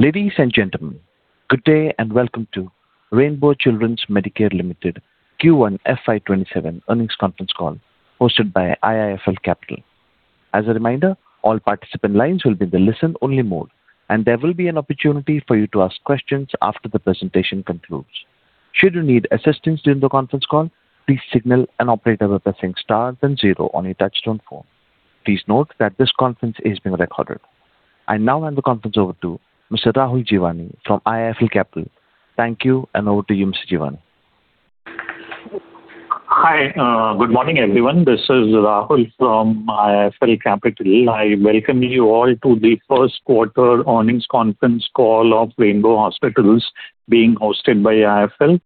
Ladies and gentlemen, good day and welcome to Rainbow Children's Medicare Limited Q1 FY 2027 earnings conference call hosted by IIFL Capital. As a reminder, all participant lines will be in the listen only mode, and there will be an opportunity for you to ask questions after the presentation concludes. Should you need assistance during the conference call, please signal an operator by pressing star then zero on your touchtone phone. Please note that this conference is being recorded. I now hand the conference over to Mr. Rahul Jeewani from IIFL Capital. Thank you, and over to you, Mr. Jeewani. Hi. Good morning, everyone. This is Rahul from IIFL Capital. I welcome you all to the first quarter earnings conference call of Rainbow Hospitals being hosted by IIFL.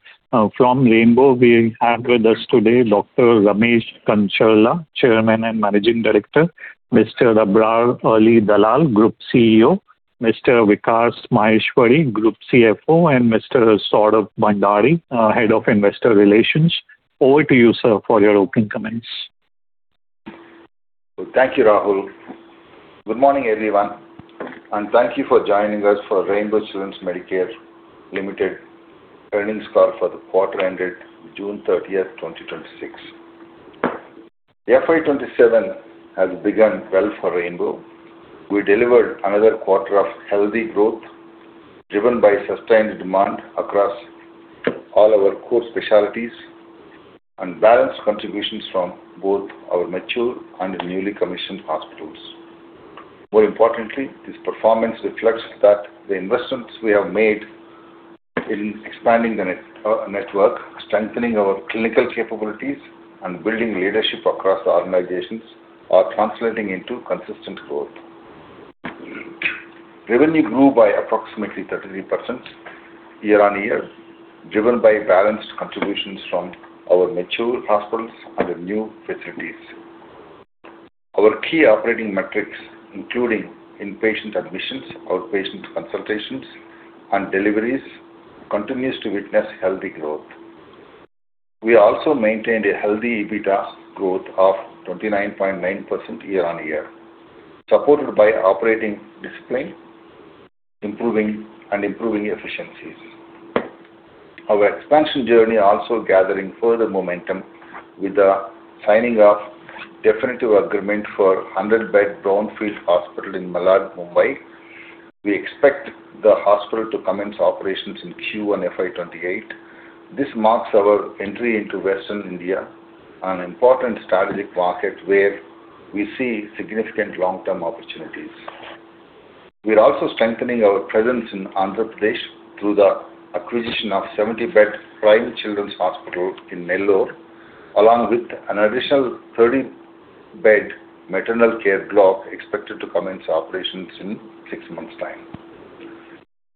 From Rainbow, we have with us today Dr. Ramesh Kancharla, Chairman and Managing Director, Mr. Abrarali Dalal, Group CEO, Mr. Vikas Maheshwari, Group CFO, and Mr. Saurabh Bhandari, Head of Investor Relations. Over to you, sir, for your opening comments. Thank you, Rahul. Good morning, everyone, and thank you for joining us for Rainbow Children's Medicare Limited earnings call for the quarter ended June 30th, 2026. FY 2027 has begun well for Rainbow. We delivered another quarter of healthy growth driven by sustained demand across all our core specialties and balanced contributions from both our mature and newly commissioned hospitals. More importantly, this performance reflects that the investments we have made in expanding the network, strengthening our clinical capabilities, and building leadership across the organizations are translating into consistent growth. Revenue grew by approximately 33% year-on-year, driven by balanced contributions from our mature hospitals and new facilities. Our key operating metrics, including inpatient admissions, outpatient consultations, and deliveries, continues to witness healthy growth. We also maintained a healthy EBITDA growth of 29.9% year-on-year, supported by operating discipline and improving efficiencies. Our expansion journey also gathering further momentum with the signing of definitive agreement for 100-bed brownfield hospital in Malad, Mumbai. We expect the hospital to commence operations in Q1 FY 2028. This marks our entry into Western India, an important strategic market where we see significant long-term opportunities. We are also strengthening our presence in Andhra Pradesh through the acquisition of 70-bed prime children's hospital in Nellore, along with an additional 30-bed maternal care block expected to commence operations in six months' time.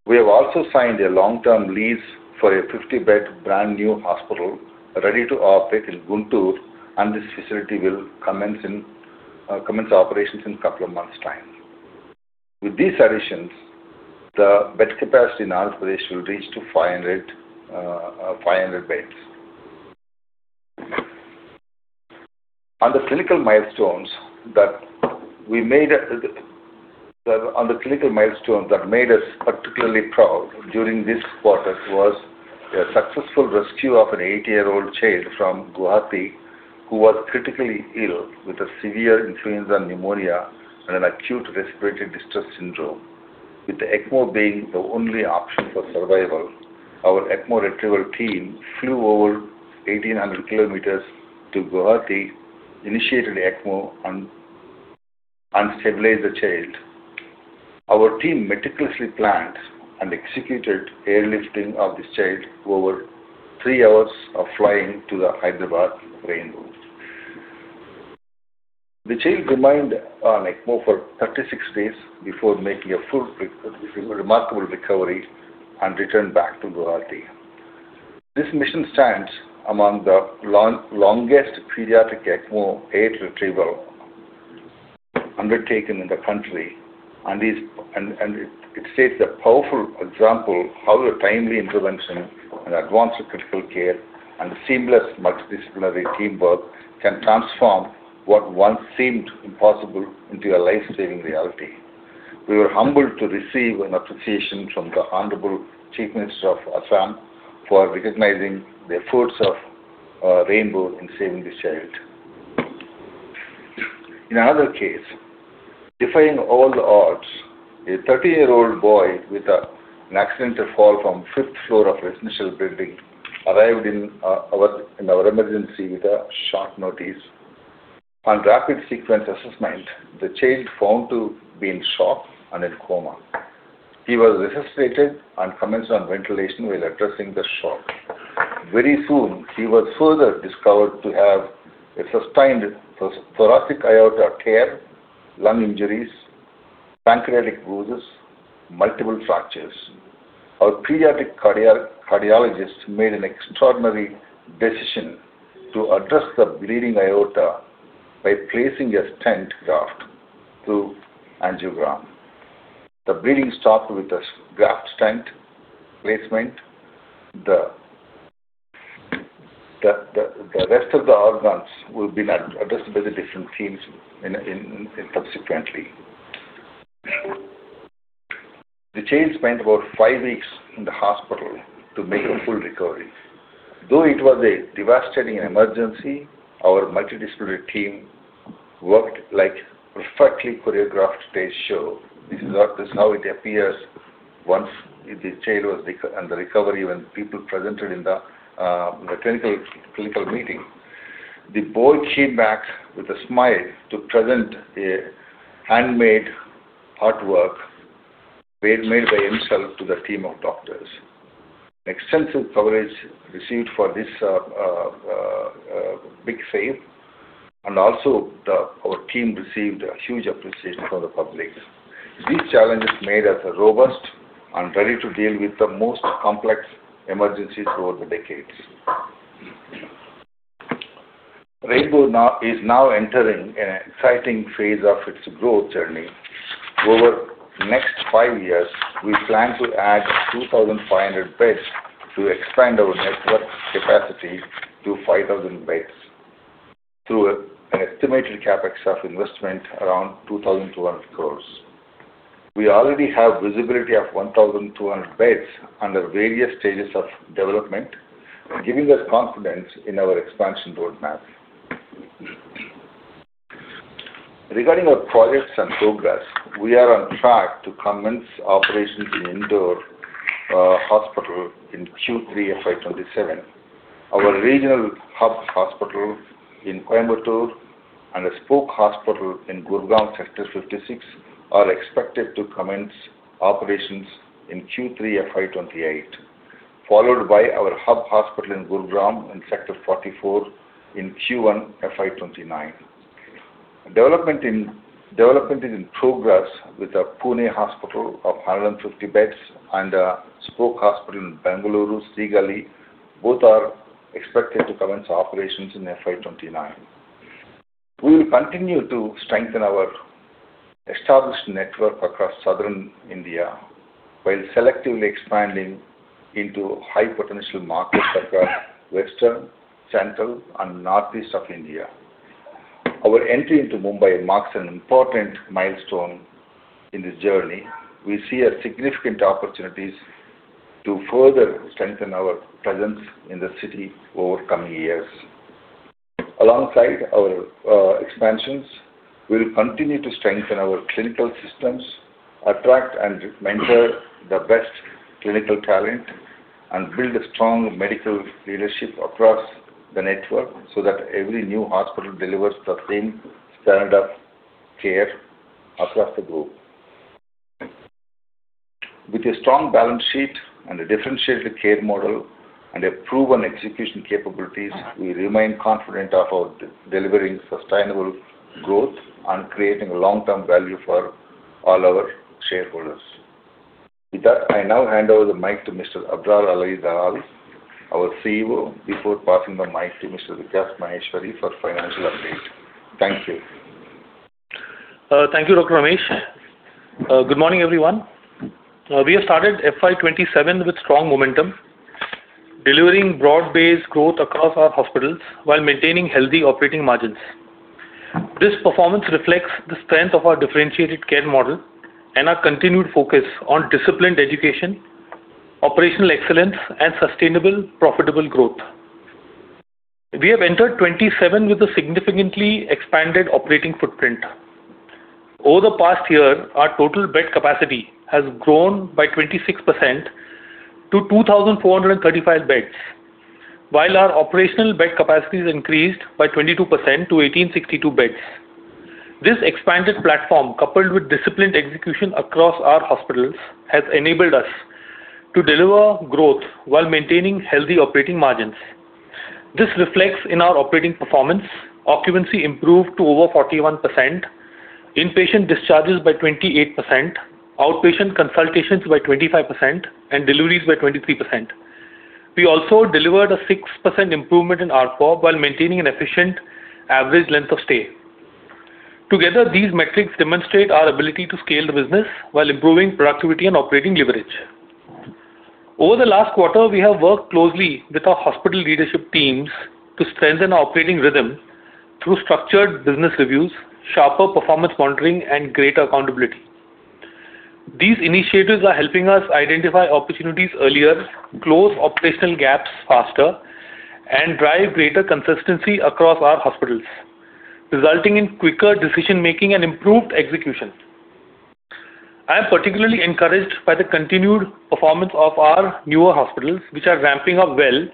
We have also signed a long-term lease for a 50-bed brand-new hospital ready to operate in Guntur, and this facility will commence operations in a couple of months' time. With these additions, the bed capacity in Andhra Pradesh will reach to 500 beds. One of the clinical milestones that made us particularly proud during this quarter was a successful rescue of an eight-year-old child from Guwahati who was critically ill with a severe influenza pneumonia and an acute respiratory distress syndrome. With the ECMO being the only option for survival, our ECMO retrieval team flew over 1,800 km to Guwahati, initiated ECMO, and stabilized the child. Our team meticulously planned and executed airlifting of this child over three hours of flying to the Hyderabad Rainbow. The child remained on ECMO for 36 days before making a remarkable recovery and returned back to Guwahati. This mission stands among the longest pediatric ECMO aid retrieval undertaken in the country. It sets a powerful example how the timely intervention and advanced critical care and seamless multidisciplinary teamwork can transform what once seemed impossible into a life-saving reality. We were humbled to receive an appreciation from the Honorable Chief Minister of Assam for recognizing the efforts of Rainbow in saving this child. In another case, defying all the odds, a 13-year-old boy with an accidental fall from fifth floor of a residential building arrived in our emergency with a short notice. On rapid sequence assessment, the child found to be in shock and in coma. He was resuscitated and commenced on ventilation while addressing the shock. Very soon, he was further discovered to have a sustained thoracic aorta tear, lung injuries, pancreatic bruises, multiple fractures. Our pediatric cardiologist made an extraordinary decision to address the bleeding aorta by placing a stent graft through angiogram. The bleeding stopped with a graft stent placement. The rest of the organs will be addressed by the different teams subsequently. The child spent about five weeks in the hospital to make a full recovery. Though it was a devastating emergency, our multidisciplinary team worked like a perfectly choreographed stage show. This is how it appears once the child was under recovery when people presented in the clinical meeting. The boy came back with a smile to present a handmade artwork made by himself to the team of doctors. An extensive coverage received for this big save, and also our team received a huge appreciation from the public. These challenges made us robust and ready to deal with the most complex emergencies over the decades. Rainbow is now entering an exciting phase of its growth journey. Over the next five years, we plan to add 2,500 beds to expand our network capacity to 5,000 beds through an estimated CapEx of investment around 2,200 crore. We already have visibility of 1,200 beds under various stages of development, giving us confidence in our expansion roadmap. Regarding our projects and progress, we are on track to commence operations in Indore Hospital in Q3 FY 2027. Our regional hub hospital in Coimbatore and a spoke hospital in Gurugram, Sector 56, are expected to commence operations in Q3 FY 2028, followed by our hub hospital in Gurugram in Sector 44 in Q1 FY 2029. Development is in progress with our Pune hospital of 150 beds and a spoke hospital in Bengaluru, [Bilekahalli]. Both are expected to commence operations in FY 2029. We will continue to strengthen our established network across southern India while selectively expanding into high potential markets across western, central, and northeast of India. Our entry into Mumbai marks an important milestone in this journey. We see significant opportunities to further strengthen our presence in the city over the coming years. Alongside our expansions, we'll continue to strengthen our clinical systems, attract and mentor the best clinical talent, and build a strong medical leadership across the network so that every new hospital delivers the same standard of care across the group. With a strong balance sheet and a differentiated care model and proven execution capabilities, we remain confident about delivering sustainable growth and creating long-term value for all our shareholders. With that, I now hand over the mic to Mr. Abrarali Dalal, our CEO, before passing the mic to Mr. Vikas Maheshwari for financial update. Thank you. Thank you, Dr. Ramesh. Good morning, everyone. We have started FY 2027 with strong momentum, delivering broad-based growth across our hospitals while maintaining healthy operating margins. This performance reflects the strength of our differentiated care model and our continued focus on disciplined education, operational excellence, and sustainable profitable growth. We have entered 2027 with a significantly expanded operating footprint. Over the past year, our total bed capacity has grown by 26% to 2,435 beds, while our operational bed capacity has increased by 22% to 1,862 beds. This expanded platform, coupled with disciplined execution across our hospitals, has enabled us to deliver growth while maintaining healthy operating margins. This reflects in our operating performance. Occupancy improved to over 41%, inpatient discharges by 28%, outpatient consultations by 25%, and deliveries by 23%. We also delivered a 6% improvement in ARPOB while maintaining an efficient average length of stay. Together, these metrics demonstrate our ability to scale the business while improving productivity and operating leverage. Over the last quarter, we have worked closely with our hospital leadership teams to strengthen our operating rhythm through structured business reviews, sharper performance monitoring, and greater accountability. These initiatives are helping us identify opportunities earlier, close operational gaps faster, and drive greater consistency across our hospitals, resulting in quicker decision-making and improved execution. I am particularly encouraged by the continued performance of our newer hospitals, which are ramping up well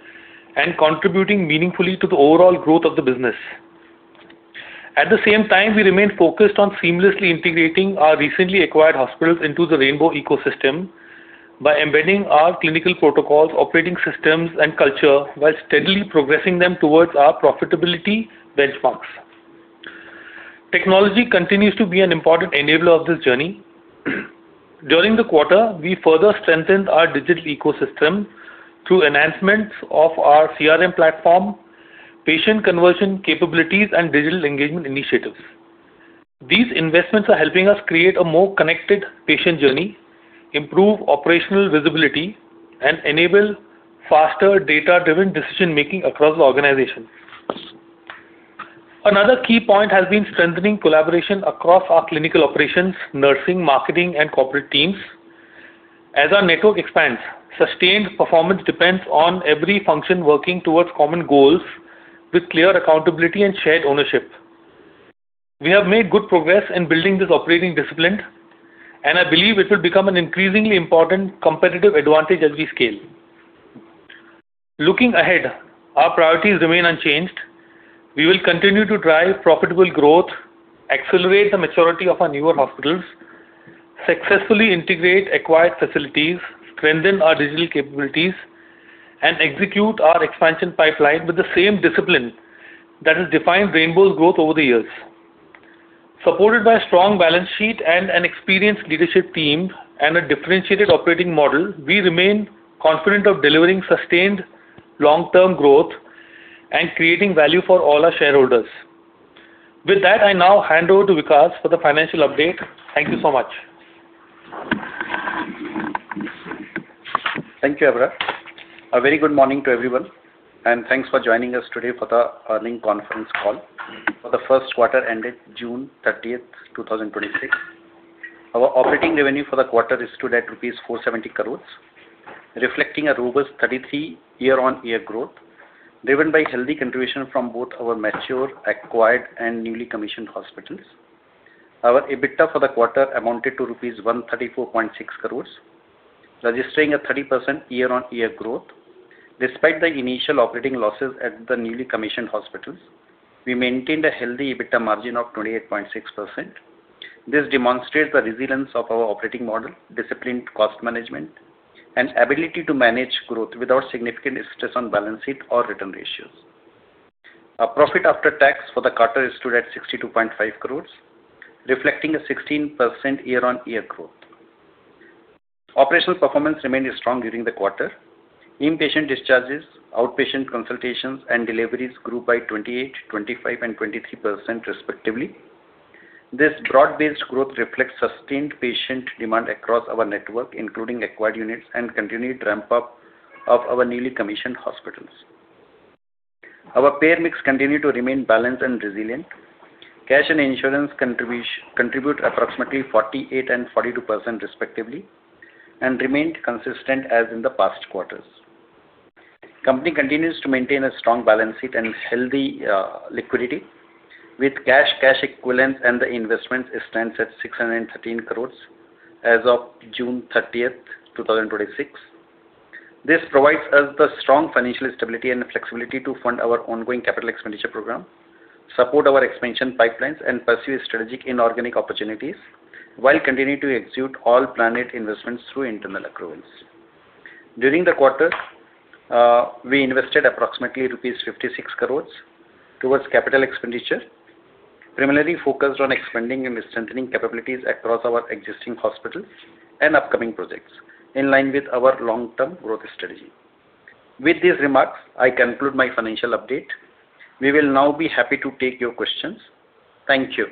and contributing meaningfully to the overall growth of the business. At the same time, we remain focused on seamlessly integrating our recently acquired hospitals into the Rainbow ecosystem by embedding our clinical protocols, operating systems, and culture while steadily progressing them towards our profitability benchmarks. Technology continues to be an important enabler of this journey. During the quarter, we further strengthened our digital ecosystem through enhancements of our CRM platform, patient conversion capabilities, and digital engagement initiatives. These investments are helping us create a more connected patient journey, improve operational visibility, and enable faster data-driven decision-making across the organization. Another key point has been strengthening collaboration across our clinical operations, nursing, marketing, and corporate teams. As our network expands, sustained performance depends on every function working towards common goals with clear accountability and shared ownership. We have made good progress in building this operating discipline, and I believe it will become an increasingly important competitive advantage as we scale. Looking ahead, our priorities remain unchanged. We will continue to drive profitable growth, accelerate the maturity of our newer hospitals, successfully integrate acquired facilities, strengthen our digital capabilities, and execute our expansion pipeline with the same discipline that has defined Rainbow's growth over the years. Supported by a strong balance sheet and an experienced leadership team and a differentiated operating model, we remain confident of delivering sustained long-term growth and creating value for all our shareholders. With that, I now hand over to Vikas for the financial update. Thank you so much. Thank you, Abrar. A very good morning to everyone, and thanks for joining us today for the earnings conference call for the first quarter ended June 30th, 2026. Our operating revenue for the quarter stood at 470 crore rupees, reflecting a robust 33% year-on-year growth driven by healthy contribution from both our mature, acquired, and newly commissioned hospitals. Our EBITDA for the quarter amounted to rupees 134.6 crore, registering a 30% year-on-year growth. Despite the initial operating losses at the newly commissioned hospitals, we maintained a healthy EBITDA margin of 28.6%. This demonstrates the resilience of our operating model, disciplined cost management, and ability to manage growth without significant stress on balance sheet or return ratios. Our profit after tax for the quarter stood at 62.5 crore, reflecting a 16% year-on-year growth. Operational performance remained strong during the quarter. Inpatient discharges, outpatient consultations, and deliveries grew by 28%, 25%, and 23% respectively. This broad-based growth reflects sustained patient demand across our network, including acquired units and continued ramp-up of our newly commissioned hospitals. Our payer mix continued to remain balanced and resilient. Cash and insurance contribute approximately 48% and 42% respectively, and remained consistent as in the past quarters. Company continues to maintain a strong balance sheet and healthy liquidity with cash equivalents, and the investments stands at 613 crore as of June 30th, 2026. This provides us the strong financial stability and flexibility to fund our ongoing capital expenditure program, support our expansion pipelines, and pursue strategic inorganic opportunities while continuing to execute all planned investments through internal accruals. During the quarter, we invested approximately rupees 56 crore towards capital expenditure, primarily focused on expanding and strengthening capabilities across our existing hospitals and upcoming projects in line with our long-term growth strategy. With these remarks, I conclude my financial update. We will now be happy to take your questions. Thank you.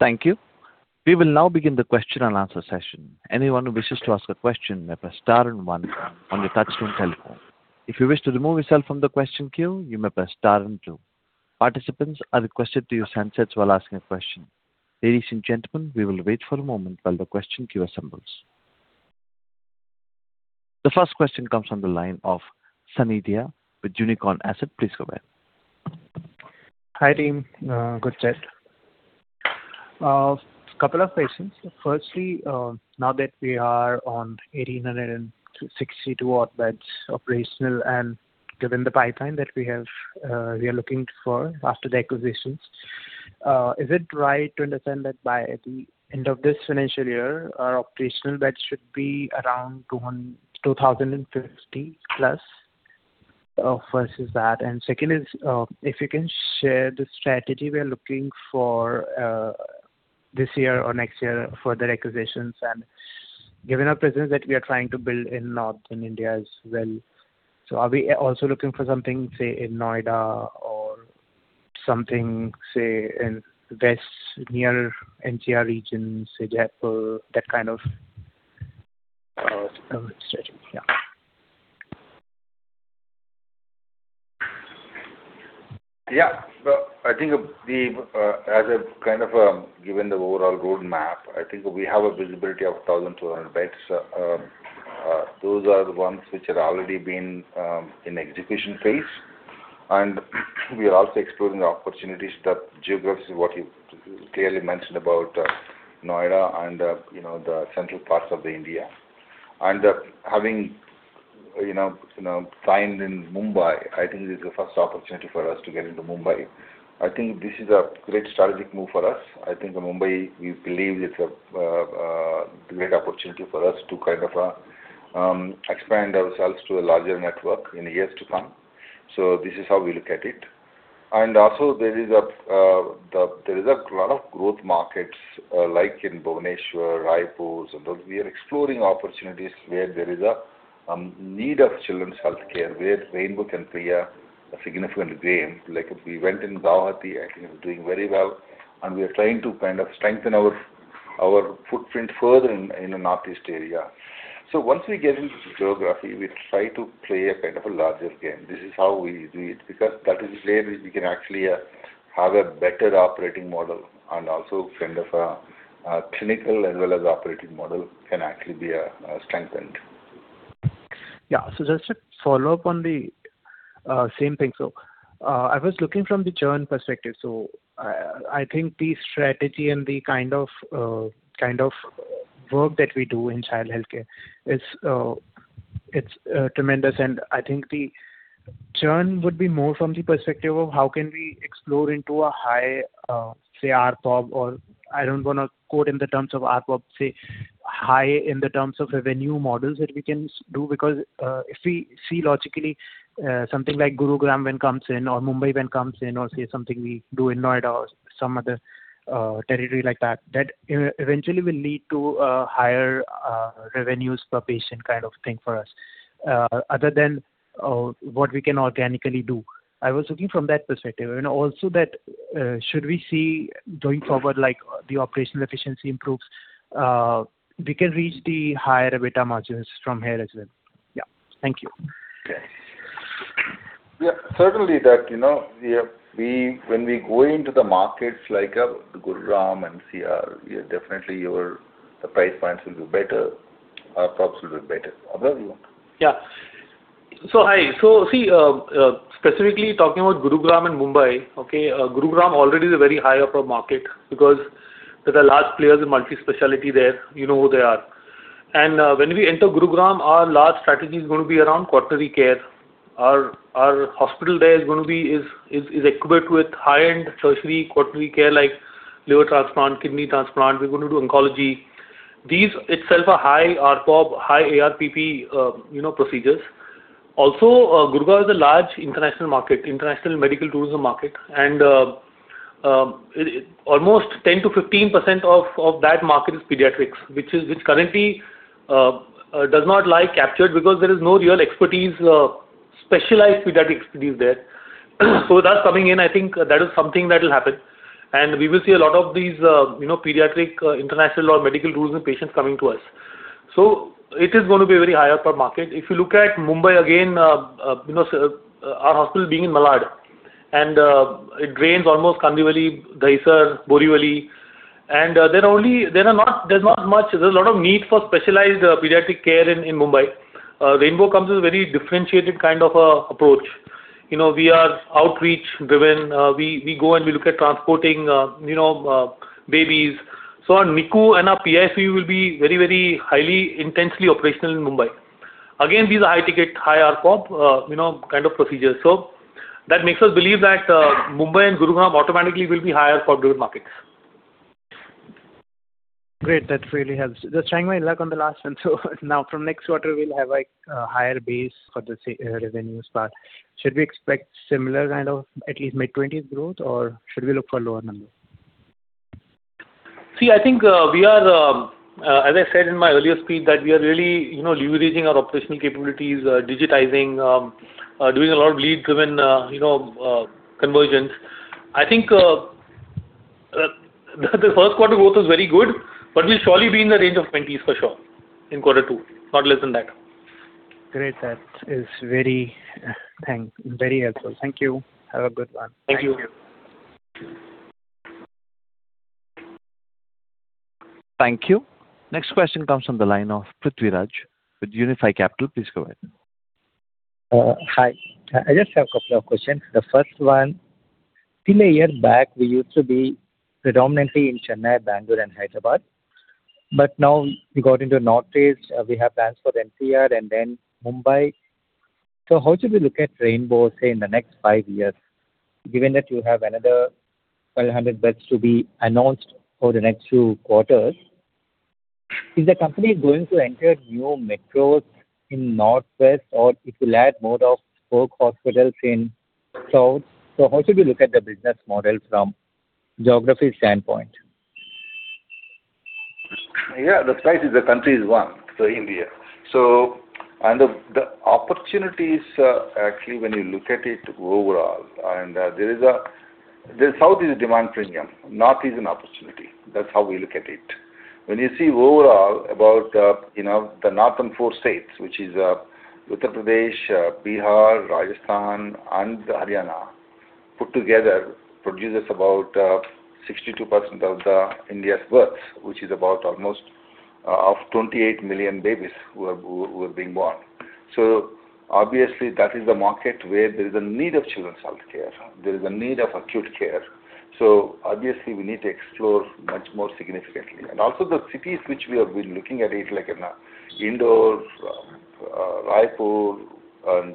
Thank you. We will now begin the question-and-answer session. Anyone who wishes to ask a question may press star and one on your touch-tone telephone. If you wish to remove yourself from the question queue, you may press star and two. Participants are requested to use handsets while asking a question. Ladies and gentlemen, we will wait for a moment while the question queue assembles. The first question comes from the line of [Samy Dea] with Unicorn Asset. Please go ahead. Hi, team. Good chat. A couple of questions. Firstly, now that we are on 1,862 odd beds operational, and given the pipeline that we are looking for after the acquisitions, is it right to understand that by the end of this financial year, our operational beds should be around 2,050+? Second is, if you can share the strategy we are looking for this year or next year for the acquisitions and given our presence that we are trying to build in northern India as well. Are we also looking for something, say, in Noida or something, say, in west near NCR region, say, Jaipur, that kind of strategy? Yeah. Yeah. I think as a kind of given the overall roadmap, I think we have a visibility of 1,200 beds. Those are the ones which are already been in execution phase. We are also exploring the opportunities, the geographies what you clearly mentioned about Noida and the central parts of India. Having signed in Mumbai, I think this is the first opportunity for us to get into Mumbai. I think this is a great strategic move for us. I think Mumbai, we believe it's a great opportunity for us to expand ourselves to a larger network in years to come. This is how we look at it. Also there is a lot of growth markets like in Bhubaneswar, Raipur. Those, we are exploring opportunities where there is a need of children's healthcare, where Rainbow can play a significant game. Like we went in Guwahati, I think it's doing very well, and we are trying to strengthen our footprint further in the Northeast area. Once we get into the geography, we try to play a larger game. This is how we do it, because that is where we can actually have a better operating model and also a clinical as well as operating model can actually be strengthened. Just to follow up on the same thing. I was looking from the churn perspective. I think the strategy and the kind of work that we do in child healthcare, it's tremendous. I think the churn would be more from the perspective of how can we explore into a high, say, ARPOB, or I don't want to quote in the terms of ARPOB, say, high in the terms of revenue models that we can do. Because if we see logically something like Gurugram when comes in or Mumbai when comes in or, say, something we do in Noida or some other territory like that eventually will lead to higher revenues per patient kind of thing for us, other than what we can organically do. I was looking from that perspective. Also that should we see going forward, the operational efficiency improves, we can reach the higher EBITDA margins from here as well. Yeah. Thank you. Okay. Yeah. Certainly that. When we go into the markets like Gurugram and NCR, definitely the price points will be better, ARPOBs will be better. Abrar, you want? Yeah. Hi. Specifically talking about Gurugram and Mumbai. Gurugram already is a very high ARPOB market because there are large players in multi-specialty there. You know who they are. When we enter Gurugram, our large strategy is going to be around quaternary care. Our hospital there is equipped with high-end surgery, quaternary care like liver transplant, kidney transplant. We're going to do oncology. These itself are high ARPOB, high ARPP procedures. Also, Gurugram is a large international market, international medical tourism market, and almost 10%-15% of that market is pediatrics, which currently does not lie captured because there is no real expertise, specialized pediatric expertise there. With us coming in, I think that is something that will happen. We will see a lot of these pediatric international or medical tourism patients coming to us. It is going to be a very high ARPOB market. If you look at Mumbai, again, our hospital being in Malad, it drains almost Kandivali, Dahisar, Borivali. There's a lot of need for specialized pediatric care in Mumbai. Rainbow comes with very differentiated kind of approach. We are outreach-driven. We go and we look at transporting babies. Our NICU and our PICU will be very, very highly intensely operational in Mumbai. Again, these are high-ticket, high ARPOB kind of procedures. That makes us believe that Mumbai and Gurugram automatically will be high ARPOB markets. Great. That really helps. Just trying my luck on the last one. Now from next quarter, we'll have a higher base for the revenues part. Should we expect similar kind of at least mid-20s growth, or should we look for lower numbers? I think as I said in my earlier speech, that we are really leveraging our operational capabilities, digitizing, doing a lot of lead-driven conversions. I think the first quarter growth was very good, we'll surely be in the range of 20s for sure in quarter two, not less than that. Great. That is very helpful. Thank you. Have a good one. Thank you. Thank you. Next question comes from the line of Prithvi Raj with Unifi Capital. Please go ahead. Hi. I just have a couple of questions. The first one, till a year back, we used to be predominantly in Chennai, Bangalore, and Hyderabad. Now we got into Northeast, we have plans for NCR and then Mumbai. How should we look at Rainbow, say, in the next five years, given that you have another 1,200 beds to be announced for the next two quarters? Is the company going to enter new metros in Northwest or it will add more of spoke hospitals in South? How should we look at the business model from geography standpoint? The size of the country is one, India. The opportunities, actually, when you look at it overall, and the South is a demand premium, North is an opportunity. That's how we look at it. When you see overall about the northern four states, which is Uttar Pradesh, Bihar, Rajasthan, and Haryana, put together produces about 62% of India's births, which is about almost of 28 million babies who are being born. Obviously that is the market where there is a need of children's healthcare, there is a need of acute care. Obviously we need to explore much more significantly. Also the cities which we have been looking at, like Indore, Raipur, and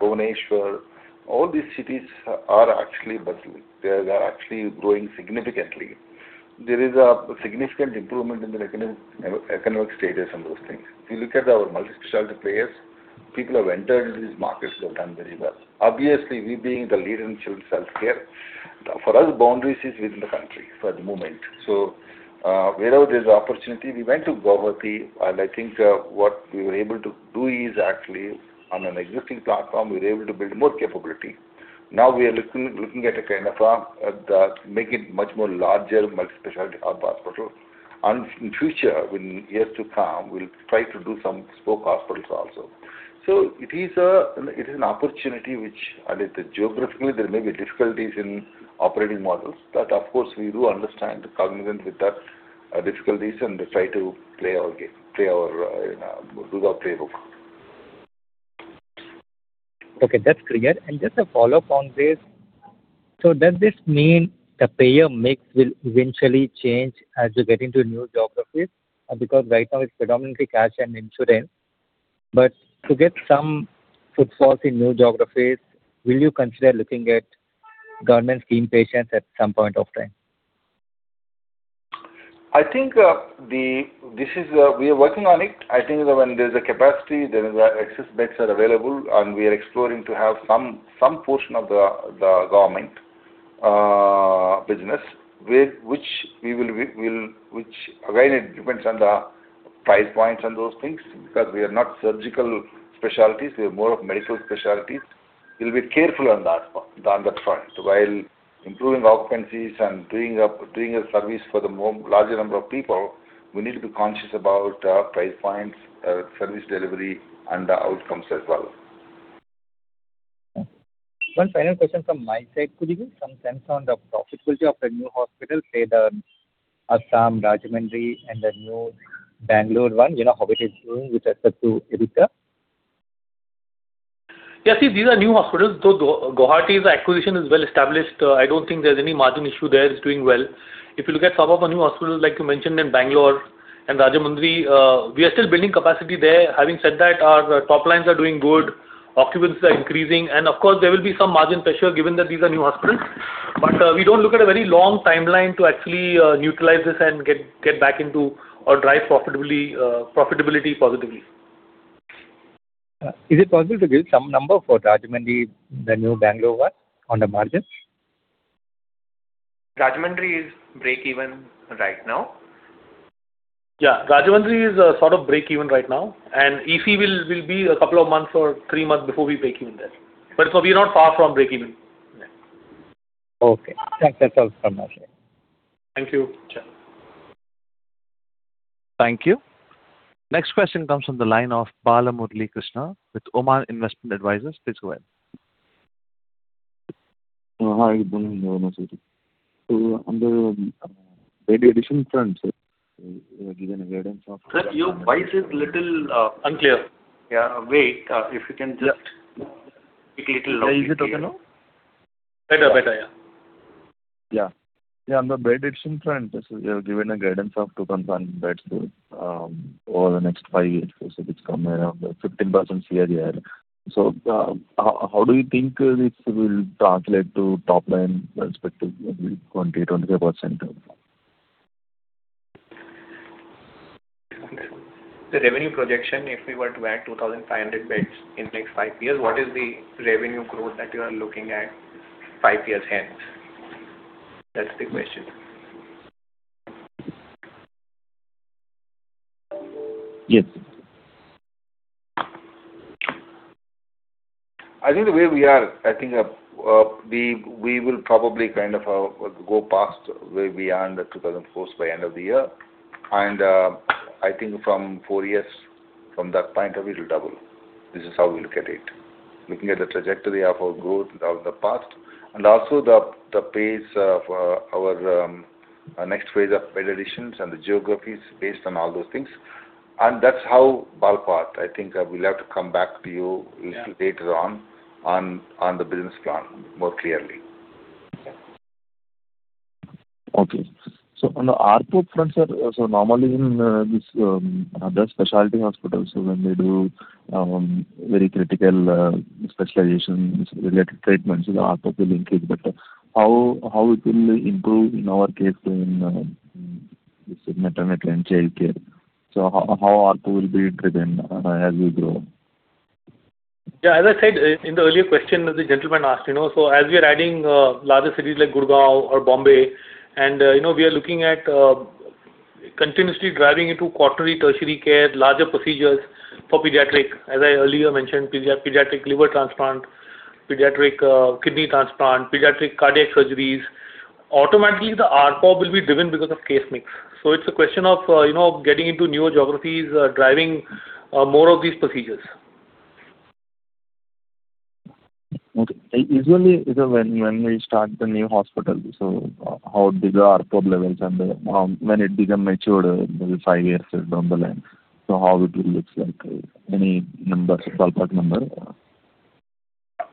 Bhubaneswar, all these cities are actually bustling. They are actually growing significantly. There is a significant improvement in the economic status and those things. If you look at our multi-specialty players. People who have entered these markets have done very well. Obviously, we being the leader in children's healthcare, for us, boundaries is within the country for the moment. Wherever there's opportunity, we went to Guwahati, and I think what we were able to do is actually on an existing platform, we were able to build more capability. Now we are looking at a kind of making it much more larger multi-specialty hub hospital. In future, in years to come, we'll try to do some spoke hospitals also. It is an opportunity which, geographically, there may be difficulties in operating models, but of course, we do understand, cognizant with that difficulties and try to play our game, do our playbook. Okay, that's clear. Just a follow-up on this. Does this mean the payer mix will eventually change as you get into new geographies? Because right now it's predominantly cash and insurance. To get some footfalls in new geographies, will you consider looking at government scheme patients at some point of time? We are working on it. I think when there's a capacity, there is where excess beds are available, and we are exploring to have some portion of the government business, which again, it depends on the price points and those things, because we are not surgical specialties, we are more of medical specialties. We'll be careful on that front. While improving occupancies and doing a service for the larger number of people, we need to be conscious about price points, service delivery, and the outcomes as well. One final question from my side, could you give some sense on the profitability of the new hospital, say the Assam, Rajahmundry, and the new Bangalore one, how it is doing with respect to EBITDA? Yeah, see, these are new hospitals. Though Guwahati's acquisition is well-established, I don't think there's any margin issue there. It's doing well. If you look at some of our new hospitals, like you mentioned in Bangalore and Rajahmundry, we are still building capacity there. Having said that, our top lines are doing good, occupancies are increasing, and of course, there will be some margin pressure given that these are new hospitals. We don't look at a very long timeline to actually utilize this and get back into or drive profitability positively. Is it possible to give some number for Rajahmundry, the new Bangalore one on the margins? Rajahmundry is breakeven right now. Yeah. Rajahmundry is sort of breakeven right now, and EC will be a couple of months or three months before we breakeven there. We're not far from breakeven. Okay. That's all from my side. Thank you Raj. Thank you. Next question comes from the line of Bala Murali Krishna with Oman Investment Advisors. Please go ahead. Hi, good morning everyone. On the bed addition front, you have given a guidance of- Sir, your voice is little unclear. Yeah. Wait, if you can just speak little loudly. Is it okay now? Better. Yeah. Yeah. On the bed addition front, you have given a guidance of 2,500 beds over the next five years. It's coming around 15% CAGR. How do you think this will translate to top line perspective, maybe 20%-25%? The revenue projection, if we were to add 2,500 beds in next five years, what is the revenue growth that you are looking at five years hence? That's the question. Yes. I think the way we are, I think we will probably kind of go past way beyond the 2,000 posts by end of the year. I think from four years, from that point, we will double. This is how we look at it. Looking at the trajectory of our growth out of the past and also the pace of our next phase of bed additions and the geographies based on all those things. That's how ballpark, I think we'll have to come back to you little later on the business plan more clearly. On the ARPOB front, sir, normally in this other specialty hospitals, when they do very critical specialization related treatments, the ARPOB will increase, but how it will improve in our case in this maternity and child care? How ARPOB will be driven as we grow? Yeah, as I said in the earlier question that the gentleman asked, as we are adding larger cities like Gurgaon or Bombay, we are looking at continuously driving into quaternary, tertiary care, larger procedures for pediatric. As I earlier mentioned, pediatric liver transplant, pediatric kidney transplant, pediatric cardiac surgeries. Automatically, the ARPOB will be driven because of case mix. It's a question of getting into newer geographies, driving more of these procedures. Okay. Usually when we start the new hospital, how big are ARPOB levels and when it become matured, maybe five years down the line. How it will looks like? Any ballpark number?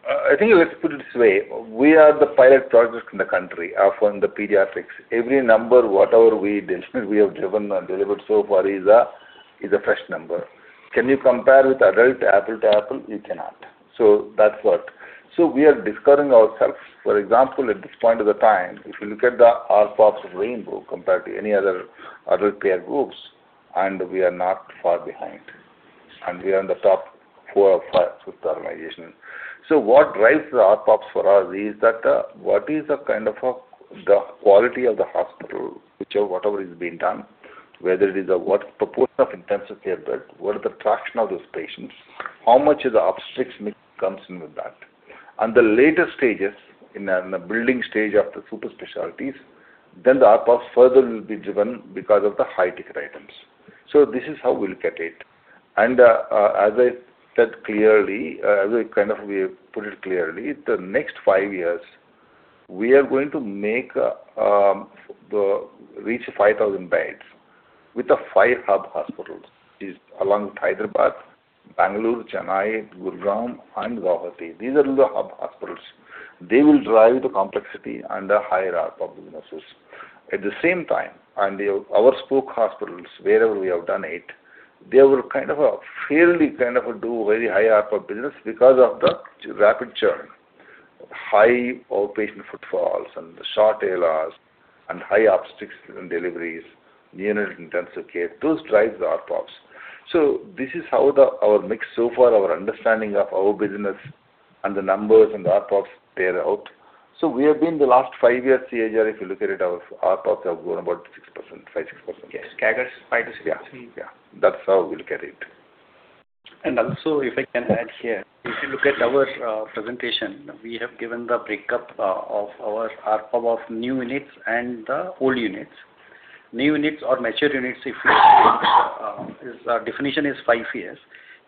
I think let's put it this way. We are the pilot project in the country on the pediatrics. Every number, whatever we have driven and delivered so far is a fresh number. Can you compare with adult apple to apple? You cannot. We are discovering ourselves. For example, at this point of the time, if you look at the ARPOBs of Rainbow compared to any other peer groups, and we are not far behind, and we are in the top four or five with the organization. What drives the ARPOBs for us is that what is the quality of the hospital, whichever, whatever is being done, whether it is what proportion of intensive care bed, what is the fraction of those patients, how much is the obstetrics mix comes in with that. The later stages, in the building stage of the super specialties, then the ARPOBs further will be driven because of the high-ticket items. This is how we look at it. As I said clearly, as we put it clearly, the next five years, we are going to reach 5,000 beds with the five hub hospitals. It is along Hyderabad, Bangalore, Chennai, Gurugram, and Guwahati. These are the hub hospitals. They will drive the complexity and the higher ARPOB of the business. At the same time, our spoke hospitals, wherever we have done it, they will fairly do very high ARPOB of business because of the rapid churn, high outpatient footfalls and short ALOS and high obstetrics and deliveries, neonatal intensive care, those drive the ARPOBs. This is how our mix so far, our understanding of our business and the numbers and the ARPOBs play out. We have been the last five years, CAGR, if you look at it, our ARPOBs have grown about 5%, 6%. Yes, CAGRs 5%-6%. That's how we look at it. If I can add here, if you look at our presentation, we have given the breakup of our ARPOB of new units and the old units. New units or mature units, if you look at the definition, is five years.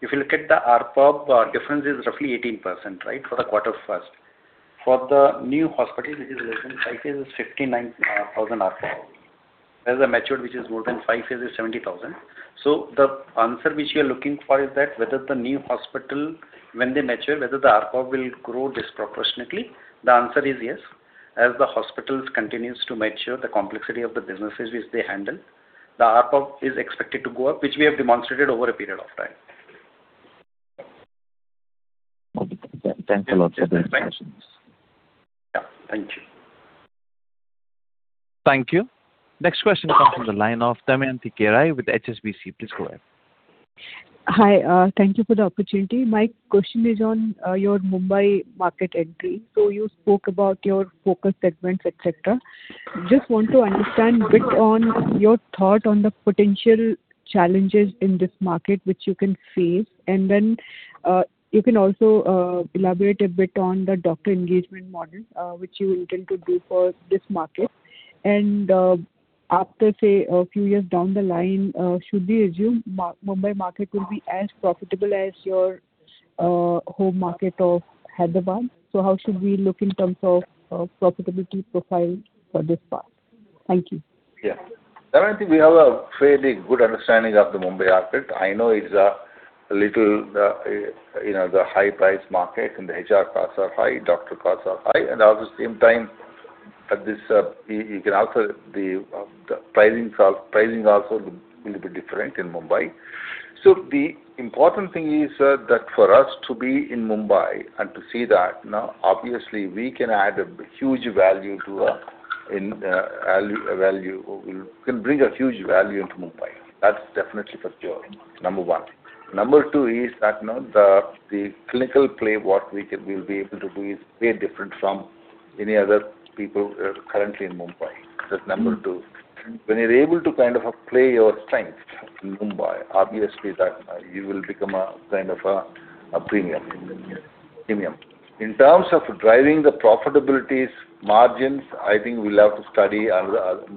If you look at the ARPOB, difference is roughly 18%, right, for the quarter first. For the new hospital, which is less than five years, is 59,000 ARPOB. As a mature, which is more than five years, is 70,000. The answer which you're looking for is that whether the new hospital, when they mature, whether the ARPOB will grow disproportionately. The answer is yes. As the hospitals continues to mature, the complexity of the businesses which they handle, the ARPOB is expected to go up, which we have demonstrated over a period of time. Okay. Thanks a lot for the explanations. Yeah. Thank you. Thank you. Next question comes from the line of Damayanti Kerai with HSBC. Please go ahead. Hi. Thank you for the opportunity. My question is on your Mumbai market entry. You spoke about your focus segments, etc. Just want to understand bit on your thought on the potential challenges in this market, which you can face. You can also elaborate a bit on the doctor engagement model which you intend to do for this market. After, say, a few years down the line, should we assume Mumbai market will be as profitable as your home market of Hyderabad? How should we look in terms of profitability profile for this part? Thank you. Damayanti, we have a fairly good understanding of the Mumbai market. I know it's a little, the high price market and the HR costs are high, doctor costs are high, and at the same time, the pricing also will be different in Mumbai. The important thing is that for us to be in Mumbai and to see that, obviously, we can add a huge value, we can bring a huge value into Mumbai. That's definitely for sure, number one. Number two is that the clinical play, what we will be able to do is way different from any other people currently in Mumbai. That's number two. When you're able to play your strength in Mumbai, obviously, you will become a premium. In terms of driving the profitabilities, margins, I think we'll have to study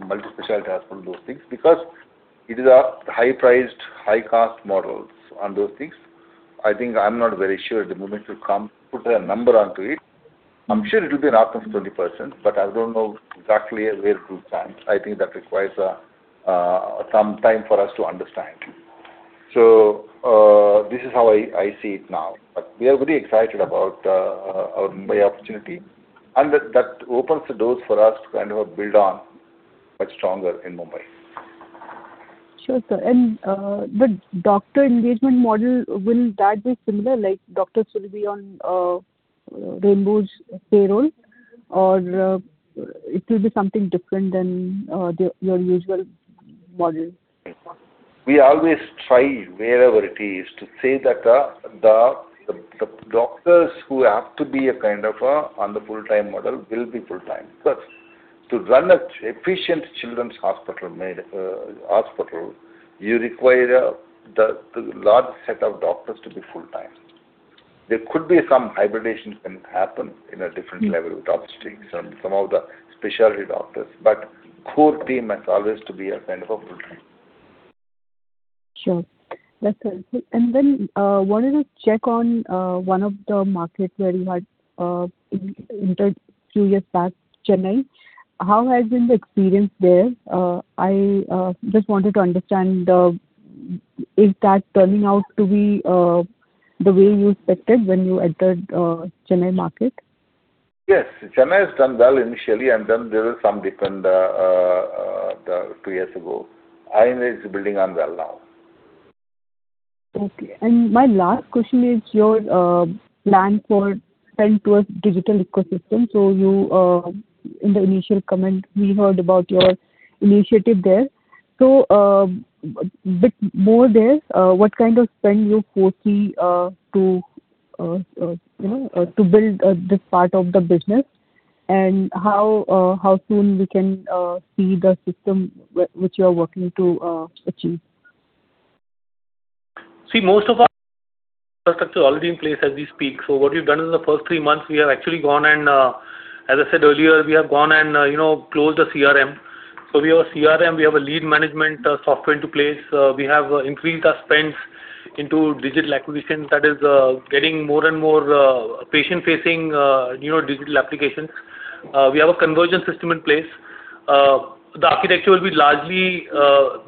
multi-specialty hospital, those things, because it is a high-priced, high-cost models on those things. I think I'm not very sure at the moment to come put a number onto it. I'm sure it will be an ARPOB of 20%, but I don't know exactly where to stand. I think that requires some time for us to understand. This is how I see it now, but we are very excited about our Mumbai opportunity, and that opens the doors for us to build on much stronger in Mumbai. Sure, sir. The doctor engagement model, will that be similar? Like doctors will be on Rainbow's payroll or it will be something different than your usual model? We always try wherever it is to say that the doctors who have to be on the full-time model will be full-time. Because to run an efficient children's hospital, you require the large set of doctors to be full-time. There could be some hybridization can happen in a different level with obstetrics and some of the specialty doctors, but core team has always to be full-time. Sure. Yes, sir. Wanted to check on one of the markets where you had entered few years back, Chennai. How has been the experience there? I just wanted to understand, is that turning out to be the way you expected when you entered Chennai market? Yes. Chennai has done well initially, and then there was some dip in that two years ago, and it's building on well now. Okay. My last question is your plan for trend towards digital ecosystem. You, in the initial comment, we heard about your initiative there. A bit more there, what kind of spend you foresee to build this part of the business? How soon we can see the system which you are working to achieve? Most of our infrastructure is already in place as we speak. What we've done in the first three months, as I said earlier, we have gone and closed a CRM. We have a CRM, we have a lead management software into place. We have increased our spends into digital acquisitions, that is, getting more and more patient-facing digital applications. We have a conversion system in place. The architecture will largely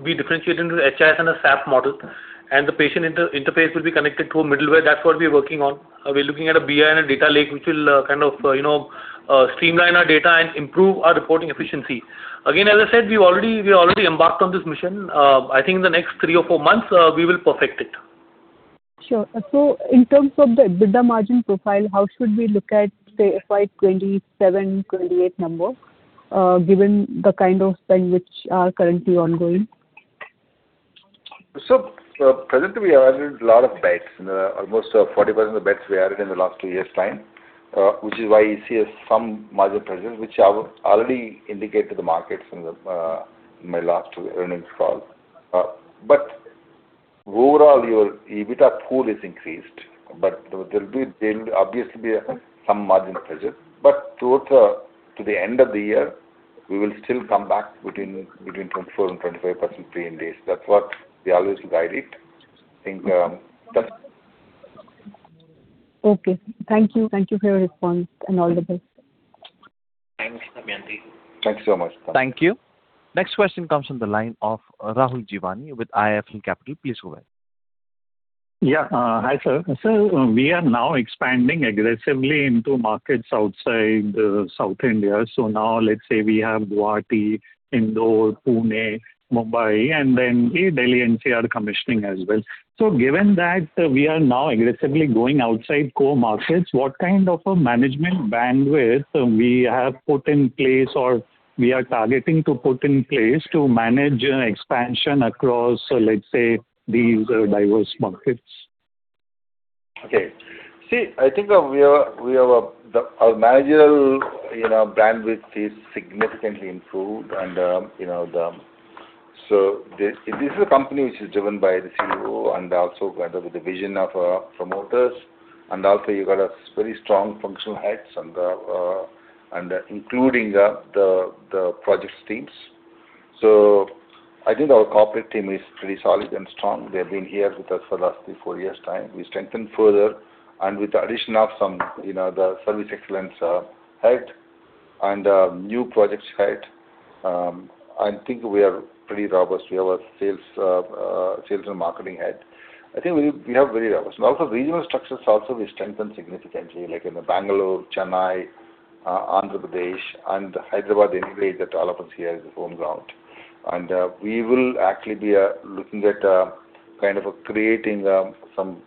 be differentiated into an HIS and a SAP model, and the patient interface will be connected to a middleware. That's what we're working on. We're looking at a BI and a data lake, which will kind of streamline our data and improve our reporting efficiency. As I said, we already embarked on this mission. I think in the next three or four months, we will perfect it. Sure. In terms of the EBITDA margin profile, how should we look at, say, FY 2027, 2028 number, given the kind of spend which are currently ongoing? Presently, we added a lot of beds, almost 40% of the beds we added in the last two years' time, which is why you see some margin pressure, which I already indicated to the markets in my last earnings call. Overall, your EBITDA pool is increased, but there'll obviously be some margin pressure. Towards the end of the year, we will still come back between 24% and 25% pre-Ind AS. That's what we always guide it. Okay. Thank you. Thank you for your response, and all the best. Thanks, Damayanti. Thanks so much. Thank you. Next question comes from the line of Rahul Jeewani with IIFL Capital. Please go ahead. Yeah. Hi, sir. Sir, we are now expanding aggressively into markets outside South India. Now let's say we have Guwahati, Indore, Pune, Mumbai, and then Delhi NCR commissioning as well. Given that we are now aggressively going outside core markets, what kind of a management bandwidth we have put in place, or we are targeting to put in place to manage expansion across, let's say, these diverse markets? Okay. I think our managerial bandwidth is significantly improved. This is a company which is driven by the CEO and also with the vision of our promoters. Also, you got very strong functional heads and including the projects teams. I think our corporate team is pretty solid and strong. They've been here with us for the last three, four years' time. We strengthened further, and with the addition of the service excellence head and a new projects head, I think we are pretty robust. We have a sales and marketing head. I think we have very robust. Also, regional structures also we strengthened significantly, like in the Bangalore, Chennai, Andhra Pradesh, and Hyderabad anyway, that all of us here is home ground. We will actually be looking at kind of creating some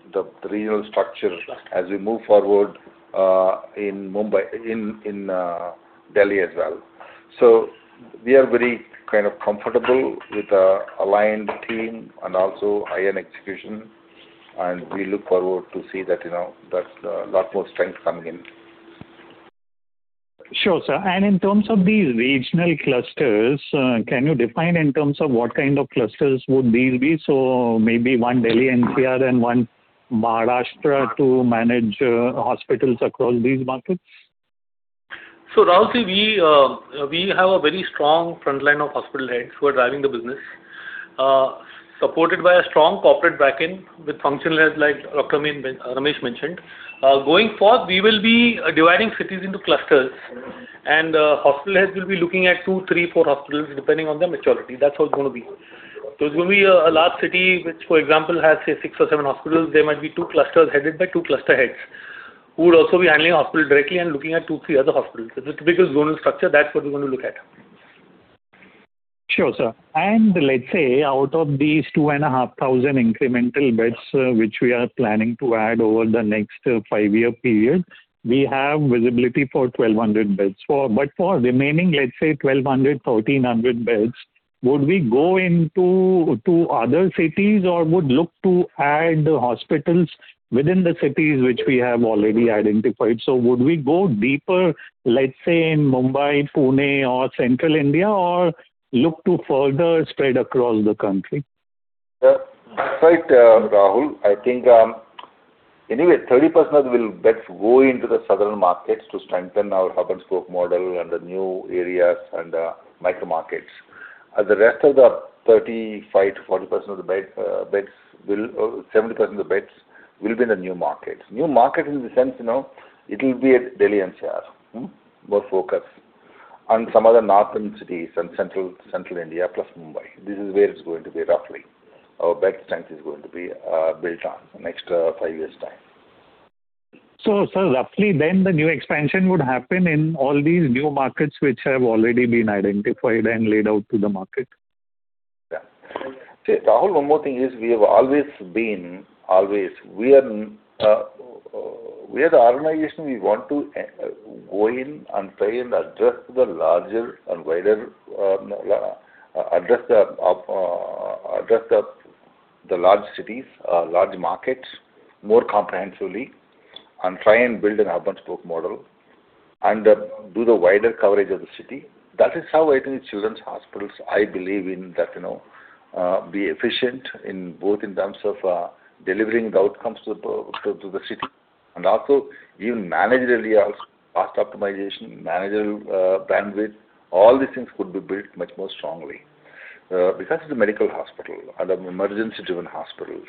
regional structure as we move forward in Delhi as well. We are very comfortable with our aligned team and also high-end execution. We look forward to see that lot more strength coming in. Sure, sir. In terms of these regional clusters, can you define in terms of what kind of clusters would these be? Maybe one Delhi NCR and one Maharashtra to manage hospitals across these markets. Rahul, we have a very strong frontline of hospital heads who are driving the business, supported by a strong corporate backend with functional heads like Dr. Ramesh mentioned. Going forth, we will be dividing cities into clusters, and hospital heads will be looking at two, three, four hospitals, depending on their maturity. That's how it's going to be. It's going to be a large city which, for example, has, say, six or seven hospitals. There might be two clusters headed by two cluster heads who would also be handling a hospital directly and looking at two, three other hospitals. Just because zonal structure, that's what we're going to look at. Sure, sir. Let's say out of these 2,500 incremental beds which we are planning to add over the next five-year period, we have visibility for 1,200 beds. For remaining, let's say 1,200, 1,300 beds, would we go into other cities or would look to add hospitals within the cities which we have already identified? Would we go deeper, let's say in Mumbai, Pune or Central India, or look to further spread across the country? That's right, Rahul. I think, anyway, 30% of the beds go into the southern markets to strengthen our hub-and-spoke model and the new areas and micro markets. The rest of the 35%-40% of the beds, 70% of the beds will be in the new markets. New market in the sense, it will be at Delhi NCR, more focused, and some other northern cities and Central India plus Mumbai. This is where it's going to be roughly. Our bed strength is going to be built on in the next five years' time. Roughly then the new expansion would happen in all these new markets which have already been identified and laid out to the market. Rahul, one more thing is we are the organization we want to go in and try and address the large cities, large markets more comprehensively and try and build a hub-and-spoke model and do the wider coverage of the city. That is how I think children's hospitals, I believe in that, be efficient in both in terms of delivering the outcomes to the city and also even managerially also, cost optimization, managerial bandwidth, all these things could be built much more strongly. It's a medical hospital and an emergency-driven hospital.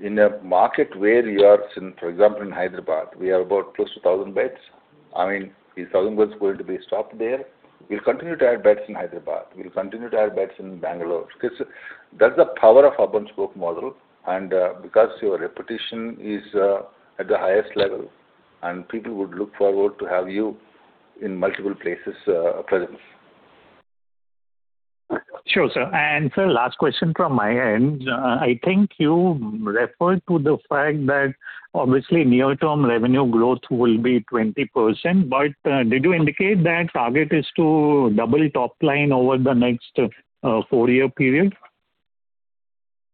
In a market where you are, for example, in Hyderabad, we are about close to 1,000 beds. Is 1,000 beds going to be stopped there? We'll continue to add beds in Hyderabad. We'll continue to add beds in Bangalore. That's the power of hub-and-spoke model, because your reputation is at the highest level, people would look forward to have you in multiple places presence. Sure, sir. Sir, last question from my end. I think you referred to the fact that obviously near term revenue growth will be 20%, but did you indicate that target is to double top line over the next four-year period?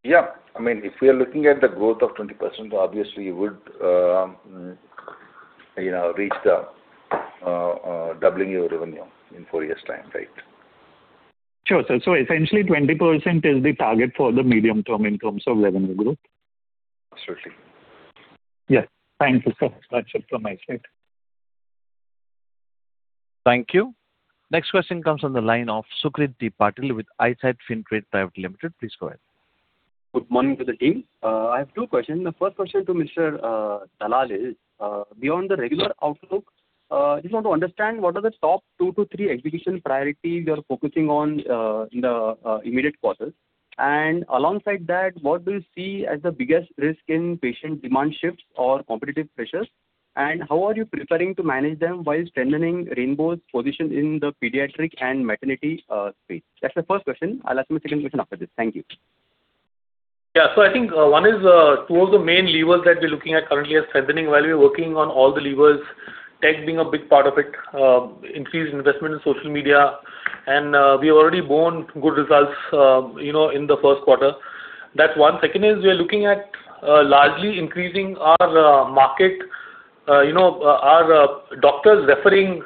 Yeah. If we are looking at the growth of 20%, obviously you would reach the doubling your revenue in four years' time. Right. Sure, sir. Essentially, 20% is the target for the medium term in terms of revenue growth. Absolutely. Thank you, sir. That's it from my side. Thank you. Next question comes on the line of Sucrit D. Patil with Eyesight Fintrade Private Limited. Please go ahead. Good morning to the team. I have two questions. The first question to Mr. Dalal is beyond the regular outlook, I just want to understand what are the top two to three execution priorities you are focusing on in the immediate quarters and alongside that, what do you see as the biggest risk in patient demand shifts or competitive pressures and how are you preparing to manage them while strengthening Rainbow's position in the pediatric and maternity space? That's the first question. I'll ask my second question after this. Thank you. I think one is two of the main levers that we're looking at currently are strengthening while we are working on all the levers, tech being a big part of it, increased investment in social media and we've already borne good results in the first quarter. That's one. Second is we are looking at largely increasing our market, our doctors referring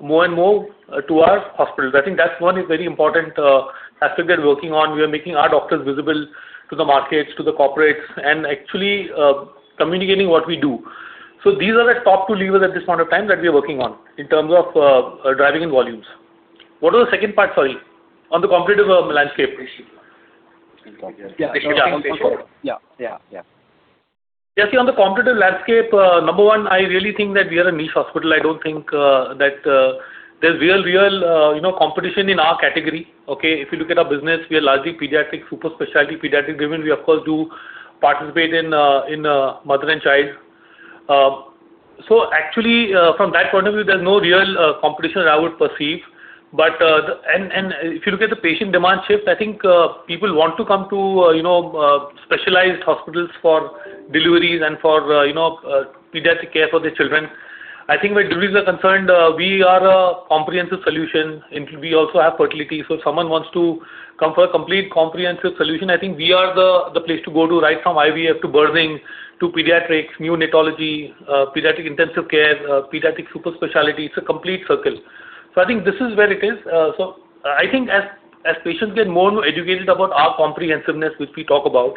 more and more to our hospitals. I think that one is very important aspect we are working on. We are making our doctors visible to the markets, to the corporates and actually communicating what we do. These are the top two levers at this point of time that we are working on in terms of driving in volumes. What was the second part? Sorry. On the competitive landscape. Competitive landscape. Yeah. Yeah. See, on the competitive landscape, number one, I really think that we are a niche hospital. I don't think that there's real competition in our category. Okay. If you look at our business, we are largely pediatric, super specialty pediatric driven. We of course do participate in mother and child. Actually, from that point of view, there's no real competition I would perceive. If you look at the patient demand shift, I think people want to come to specialized hospitals for deliveries and for pediatric care for their children. I think where deliveries are concerned, we are a comprehensive solution and we also have fertility so if someone wants to come for a complete comprehensive solution, I think we are the place to go to right from IVF to birthing to pediatrics, neonatology, pediatric intensive care, pediatric super specialty. It's a complete circle. I think this is where it is. I think as patients get more and more educated about our comprehensiveness which we talk about,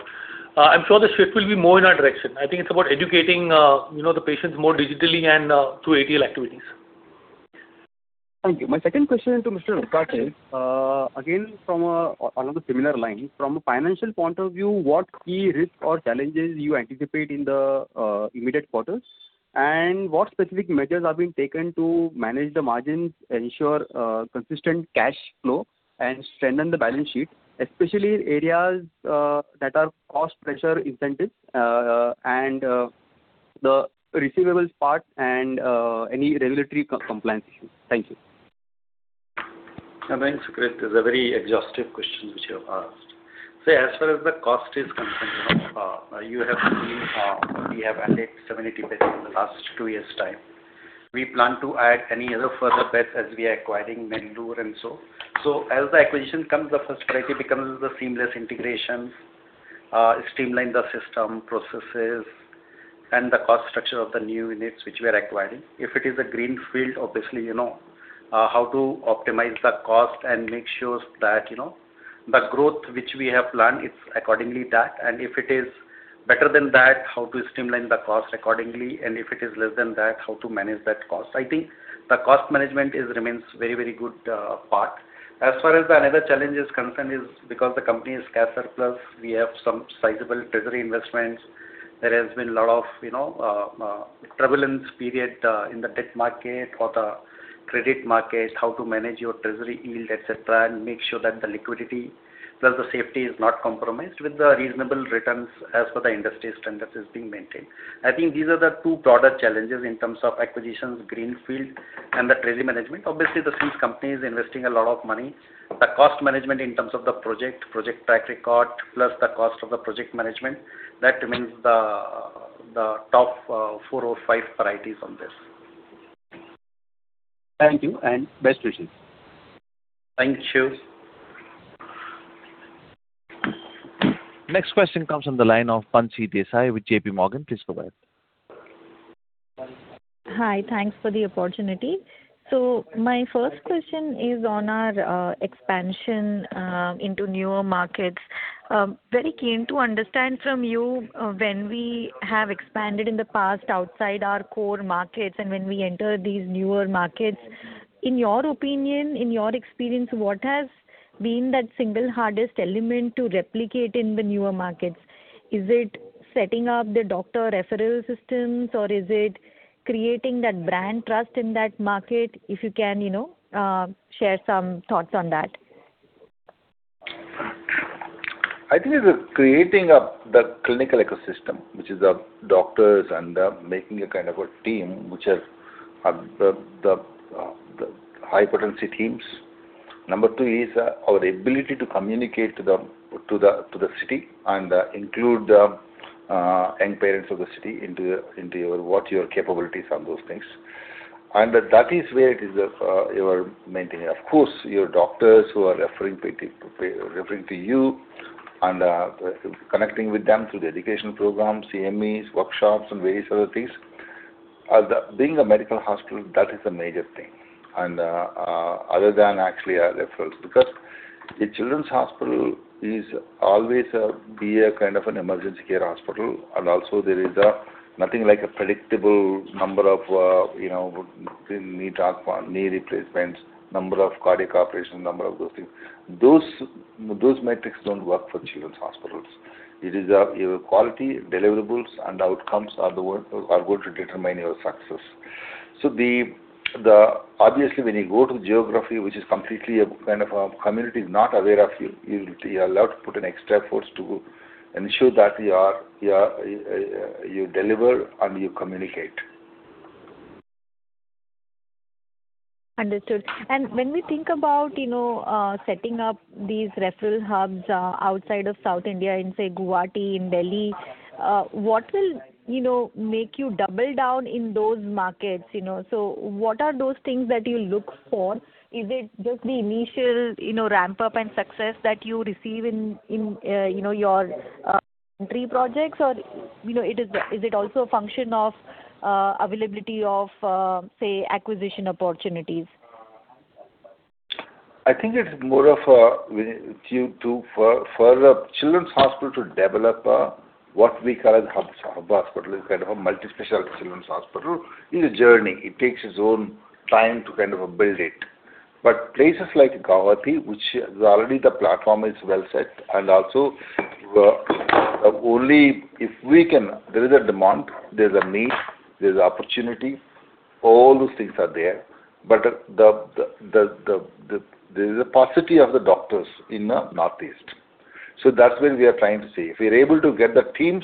I'm sure the shift will be more in our direction. I think it's about educating the patients more digitally and through ATL activities. Thank you. My second question to Mr. Vikas is again from another similar line. From a financial point of view, what key risks or challenges you anticipate in the immediate quarters and what specific measures are being taken to manage the margins, ensure consistent cash flow and strengthen the balance sheet, especially areas that are cost pressure incentive and the receivables part and any regulatory compliance issues. Thank you. Thanks, Sucrit. It's a very exhaustive question which you have asked. As far as the cost is concerned, you have seen we have added 70 beds in the last two years' time. We plan to add any other further beds as we are acquiring Nellore. As the acquisition comes, the first priority becomes the seamless integration, streamline the system processes and the cost structure of the new units which we are acquiring. If it is a greenfield, obviously, how to optimize the cost and make sure that the growth which we have planned is accordingly that and if it is better than that how to streamline the cost accordingly and if it is less than that how to manage that cost. I think the cost management remains very good part. As far as another challenge is concerned is because the company is cash surplus, we have some sizable treasury investments. There has been a lot of prevalence period in the debt market or the credit market, how to manage your treasury yield, etc, and make sure that the liquidity plus the safety is not compromised with the reasonable returns as per the industry standard is being maintained. I think these are the two broader challenges in terms of acquisitions, greenfield and the treasury management. Obviously, since company is investing a lot of money, the cost management in terms of the project track record, plus the cost of the project management, that remains the top four or five priorities on this. Thank you and best wishes. Thank you. Next question comes on the line of Bansi Desai with JPMorgan. Please go ahead. Hi. Thanks for the opportunity. My first question is on our expansion into newer markets. Very keen to understand from you when we have expanded in the past outside our core markets and when we enter these newer markets, in your opinion, in your experience, what has been that single hardest element to replicate in the newer markets? Is it setting up the doctor referral systems or is it creating that brand trust in that market? If you can share some thoughts on that. I think it is creating the clinical ecosystem, which is the doctors and making a kind of a team, which are the high-potency teams. Number two is our ability to communicate to the city and include the end parents of the city into what your capabilities on those things. That is where it is your maintaining. Of course, your doctors who are referring to you and connecting with them through the education program, CMEs, workshops, and various other things. Being a medical hospital, that is the major thing, other than actually referrals, because a children's hospital is always be a kind of an emergency care hospital. Also there is nothing like a predictable number of knee replacements, number of cardiac operation, number of those things. Those metrics don't work for children's hospitals. It is your quality deliverables and outcomes are going to determine your success. Obviously, when you go to geography, which is completely a kind of a community is not aware of you will have to put an extra effort to ensure that you deliver and you communicate. Understood. When we think about setting up these referral hubs outside of South India in, say, Guwahati, in Delhi, what will make you double down in those markets? What are those things that you look for? Is it just the initial ramp-up and success that you receive in your three projects, or is it also a function of availability of, say, acquisition opportunities? I think for a children's hospital to develop what we call a hub hospital, is kind of a multi-specialty children's hospital, is a journey. It takes its own time to build it. Places like Guwahati, which already the platform is well set and also there is a demand, there's a need, there's opportunity, all those things are there, but there's a paucity of the doctors in the Northeast. That's where we are trying to see. If we're able to get the teams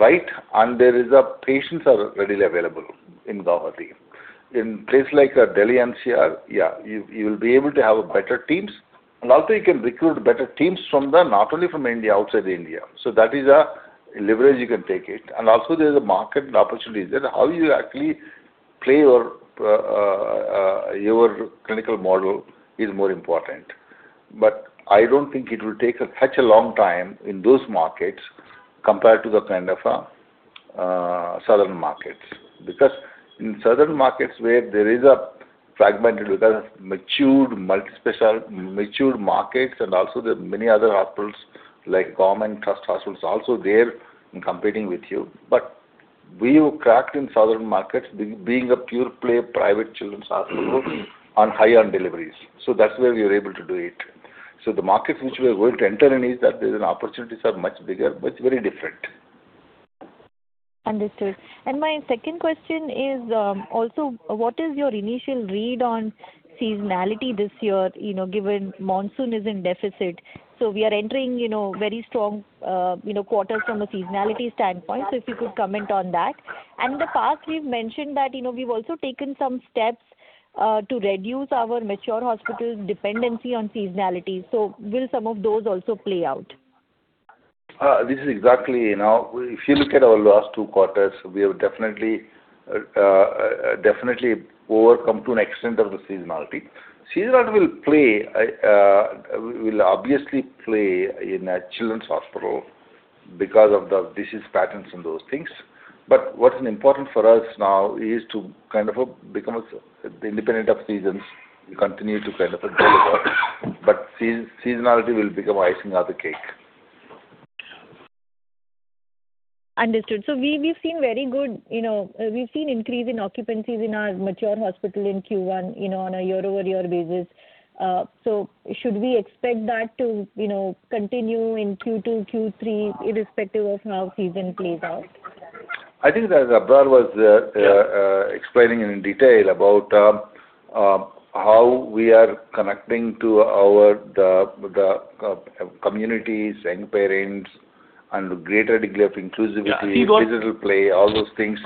right, and the patients are readily available in Guwahati. In places like Delhi NCR, you will be able to have better teams, and also you can recruit better teams not only from India, outside India. That is a leverage you can take it. Also there's a market and opportunities there. How you actually play your clinical model is more important. I don't think it will take such a long time in those markets compared to the kind of Southern markets, because in Southern markets where there is a fragmented, matured, multi-specialty, matured markets, and also there are many other hospitals like government trust hospitals also there competing with you. We've cracked in Southern markets being a pure-play private children's hospital on high-end deliveries, so that's where we are able to do it. The markets which we're going to enter in is that there's an opportunities are much bigger, but very different. Understood. My second question is also what is your initial read on seasonality this year, given monsoon is in deficit. We are entering very strong quarters from a seasonality standpoint. If you could comment on that. In the past, we've mentioned that we've also taken some steps to reduce our mature hospital's dependency on seasonality. Will some of those also play out? This is exactly, now, if you look at our last two quarters, we have definitely overcome to an extent of the seasonality. Seasonality will obviously play in a children's hospital because of the disease patterns and those things. What is important for us now is to kind of become independent of seasons. We continue to kind of deliver, seasonality will become icing on the cake. Understood. We've seen increase in occupancies in our mature hospital in Q1 on a year-over-year basis. Should we expect that to continue in Q2, Q3, irrespective of how season plays out? I think that Abrar was explaining in detail about how we are connecting to our communities and parents, and the greater degree of inclusivity- Yeah. ...physical play, all those things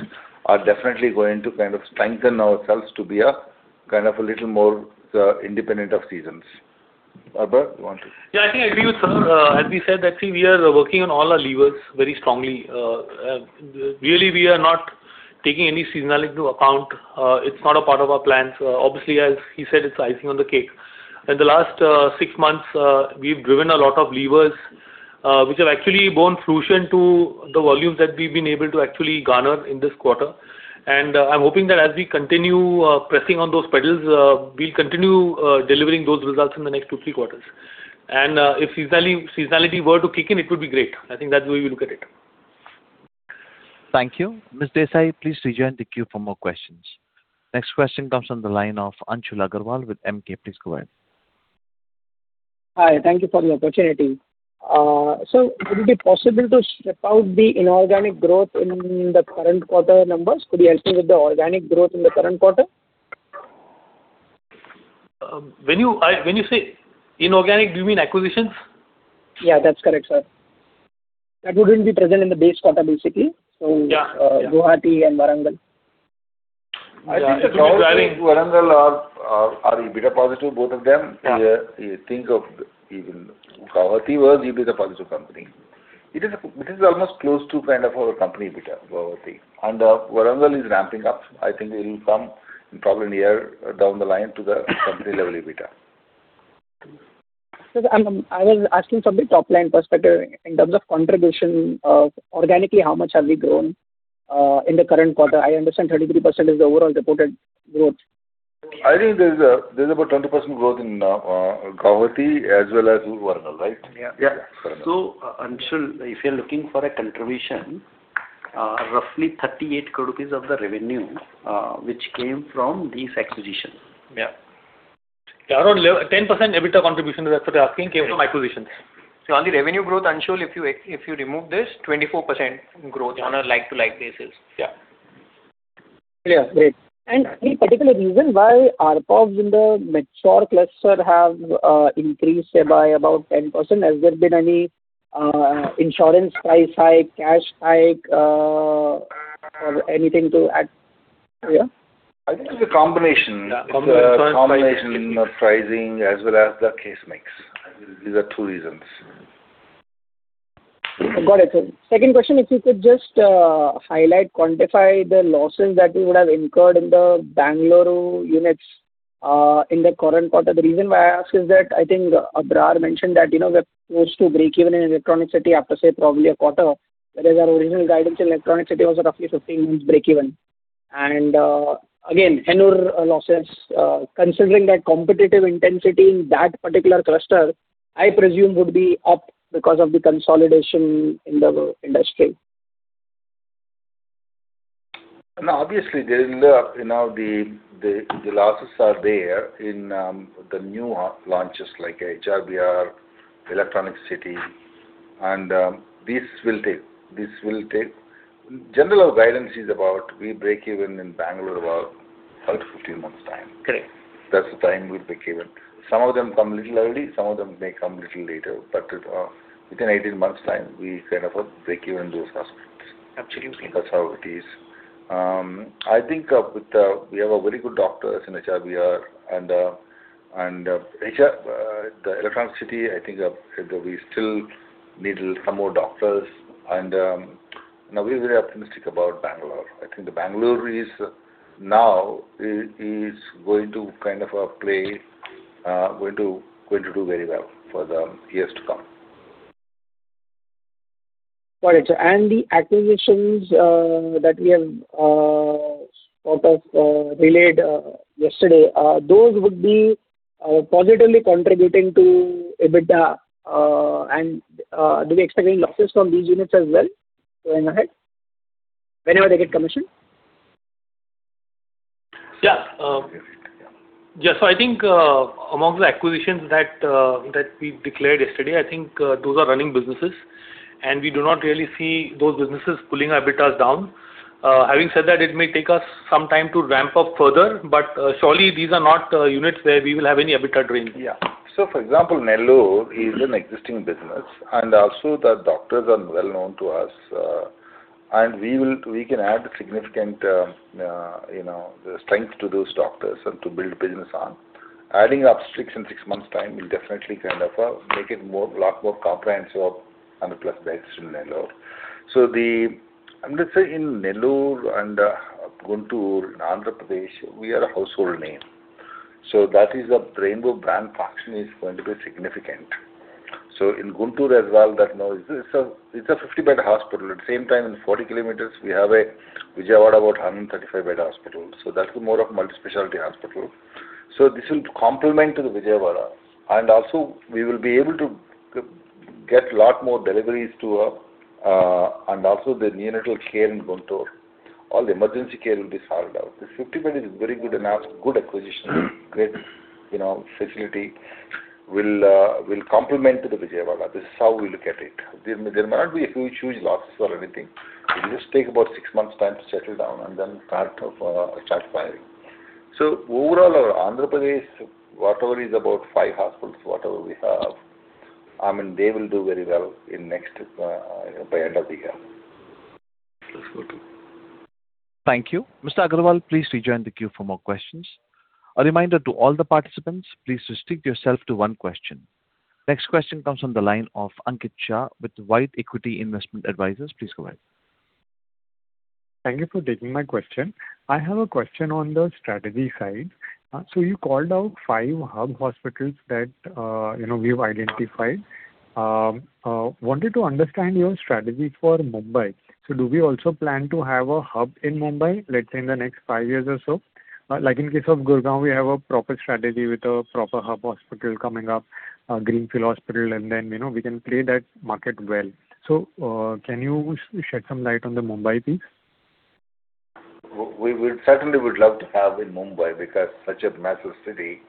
are definitely going to strengthen ourselves to be a little more independent of seasons. Abrar, you want to? Yeah, I think I agree with Sir. As we said that, we are working on all our levers very strongly. Really, we are not taking any seasonality into account. It's not a part of our plan. Obviously, as he said, it's icing on the cake. In the last six months, we've driven a lot of levers, which have actually borne fruition to the volumes that we've been able to actually garner in this quarter. I'm hoping that as we continue pressing on those pedals, we'll continue delivering those results in the next two, three quarters. If seasonality were to kick in, it would be great. I think that's the way we look at it. Thank you. Ms. Desai, please rejoin the queue for more questions. Next question comes from the line of Anshul Agrawal with Emkay. Please go ahead. Hi, thank you for the opportunity. Sir, would it be possible to strip out the inorganic growth in the current quarter numbers? Could you help me with the organic growth in the current quarter? When you say inorganic, do you mean acquisitions? Yeah, that's correct, sir. That wouldn't be present in the base quarter, basically. Yeah. Guwahati and Warangal. I think that Guwahati and Warangal are EBITDA positive, both of them. If you think of even Guwahati was EBITDA positive company. It is almost close to our company EBITDA, Guwahati. Warangal is ramping up. I think it will come in probably a year down the line to the company level EBITDA. Sir, I was asking from the top-line perspective in terms of contribution of organically, how much have we grown in the current quarter? I understand 33% is the overall reported growth. I think there's about 20% growth in Guwahati as well as Warangal, right? Yeah. Yeah. Fair enough. Anshul, if you're looking for a contribution, roughly 38 crore rupees of the revenue which came from these acquisitions. Yeah. Around 10% EBITDA contribution is what you're asking, came from acquisitions. On the revenue growth, Anshul, if you remove this, 24% growth on a like-to-like basis. Yeah. Yeah, great. Any particular reason why ARPOBs in the Metro cluster have increased by about 10%? Has there been any insurance price hike, cash hike, or anything to add here? I think it's a combination. Yeah. It's a combination of pricing as well as the case mix. These are two reasons. Got it, sir. Second question, if you could just highlight, quantify the losses that you would have incurred in the Bengaluru units in the current quarter. The reason why I ask is that I think Abrar mentioned that we're close to breakeven in Electronic City after say, probably a quarter, whereas our original guidance in Electronic City was roughly 15 months breakeven. Again, Hennur losses, considering that competitive intensity in that particular cluster, I presume would be up because of the consolidation in the industry. Obviously, the losses are there in the new launches like HRBR, Electronic City, these will take. General guidance is about we break even in Bengaluru about 12-15 months' time. Okay. That's the time we'll break even. Some of them come little early, some of them may come little later. Within 18 months time, we break even those hospitals. Absolutely. That's how it is. I think we have a very good doctors in HRBR and the Electronic City, I think we still need some more doctors. We're very optimistic about Bengaluru. I think the Bengaluru now is going to do very well for the years to come. Got it, sir. The acquisitions that we have sort of relayed yesterday, those would be positively contributing to EBITDA, and do we expect any losses from these units as well going ahead whenever they get commissioned? Yeah. I think amongst the acquisitions that we declared yesterday, I think those are running businesses, we do not really see those businesses pulling our EBITDA down. Having said that, it may take us some time to ramp up further, surely these are not units where we will have any EBITDA drain. Yeah. For example, Nellore is an existing business, also the doctors are well known to us. We can add significant strength to those doctors and to build business on. Adding six in six months' time will definitely make it a lot more comprehensive and a plus base in Nellore. Let's say in Nellore and Guntur in Andhra Pradesh, we are a household name. That is the Rainbow brand function is going to be significant. In Guntur as well, it's a 50-bed hospital. At the same time, in 40 km, we have a Vijayawada, about 135-bed hospital. That's more of multi-specialty hospital. This will complement to the Vijayawada. Also we will be able to get lot more deliveries to, and also the neonatal care in Guntur, all the emergency care will be sorted out. The 50-bed is very good enough, good acquisition, great facility. Will complement the Vijayawada. This is how we look at it. There may not be huge losses or anything. It will just take about six months' time to settle down and then start firing. Overall, our Andhra Pradesh, whatever, is about five hospitals, whatever we have. They will do very well by end of the year. [inaudible] Thank you. Mr. Agrawal, please rejoin the queue for more questions. A reminder to all the participants, please restrict yourself to one question. Next question comes on the line of Ankit Shah with White Equity Investment Advisors. Please go ahead. Thank you for taking my question. I have a question on the strategy side. You called out five hub hospitals that we've identified. Wanted to understand your strategy for Mumbai. Do we also plan to have a hub in Mumbai, let's say in the next five years or so? Like in case of Gurgaon, we have a proper strategy with a proper hub hospital coming up, a greenfield hospital, and then we can play that market well. Can you shed some light on the Mumbai piece? We certainly would love to have in Mumbai because such a massive city.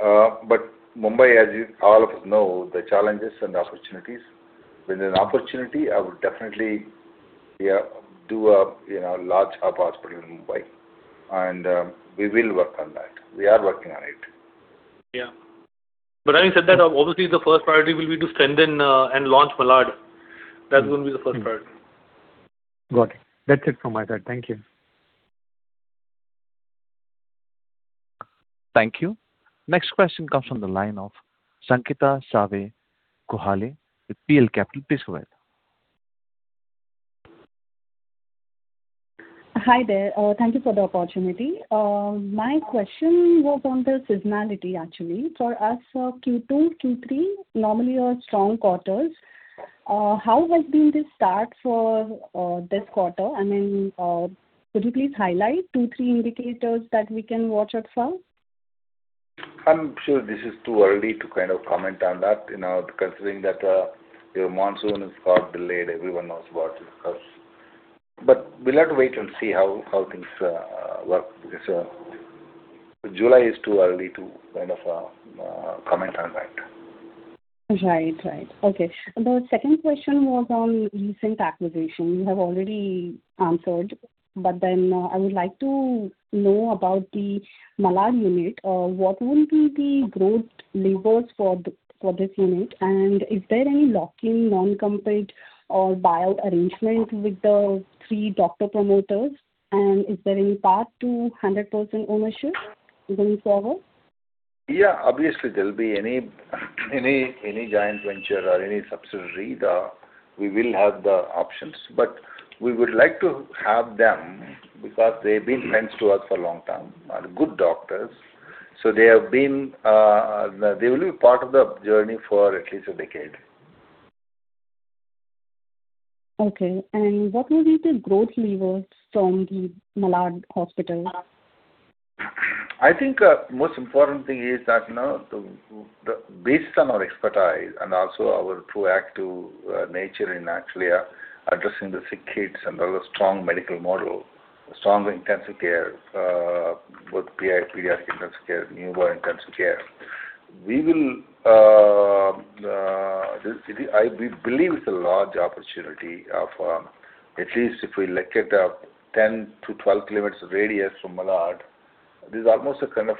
Mumbai, as all of us know, the challenges and opportunities. When there's an opportunity, I would definitely do a large hub hospital in Mumbai. We will work on that. We are working on it. Having said that, obviously the first priority will be to strengthen, and launch Malad. That's going to be the first priority. Got it. That's it from my side. Thank you. Thank you. Next question comes from the line of Sanketa Kohale with PL Capital. Please go ahead. Hi there. Thank you for the opportunity. My question was on the seasonality, actually. For us, Q2, Q3, normally are strong quarters. How has been the start for this quarter? Then, could you please highlight two, three indicators that we can watch out for? I'm sure this is too early to comment on that, considering that your monsoon is quite delayed, everyone knows about it. We'll have to wait and see how things work because July is too early to comment on that. Right. Okay. The second question was on recent acquisition. You have already answered, I would like to know about the Malad unit. What will be the growth levers for this unit? Is there any locking, non-compete or buyout arrangement with the three doctor promoters? Is there any path to 100% ownership going forward? Yeah, obviously there'll be any joint venture or any subsidiary, we will have the options. We would like to have them because they've been friends to us for a long time, are good doctors. They will be part of the journey for at least a decade. Okay. What will be the growth levers from the Malad hospital? I think, most important thing is that, based on our expertise and also our true active nature in actually addressing the sick kids and build a strong medical model, a strong intensive care, both pediatric intensive care, newborn intensive care. I believe it's a large opportunity of at least if we look at 10 km-12 km radius from Malad, this is almost a kind of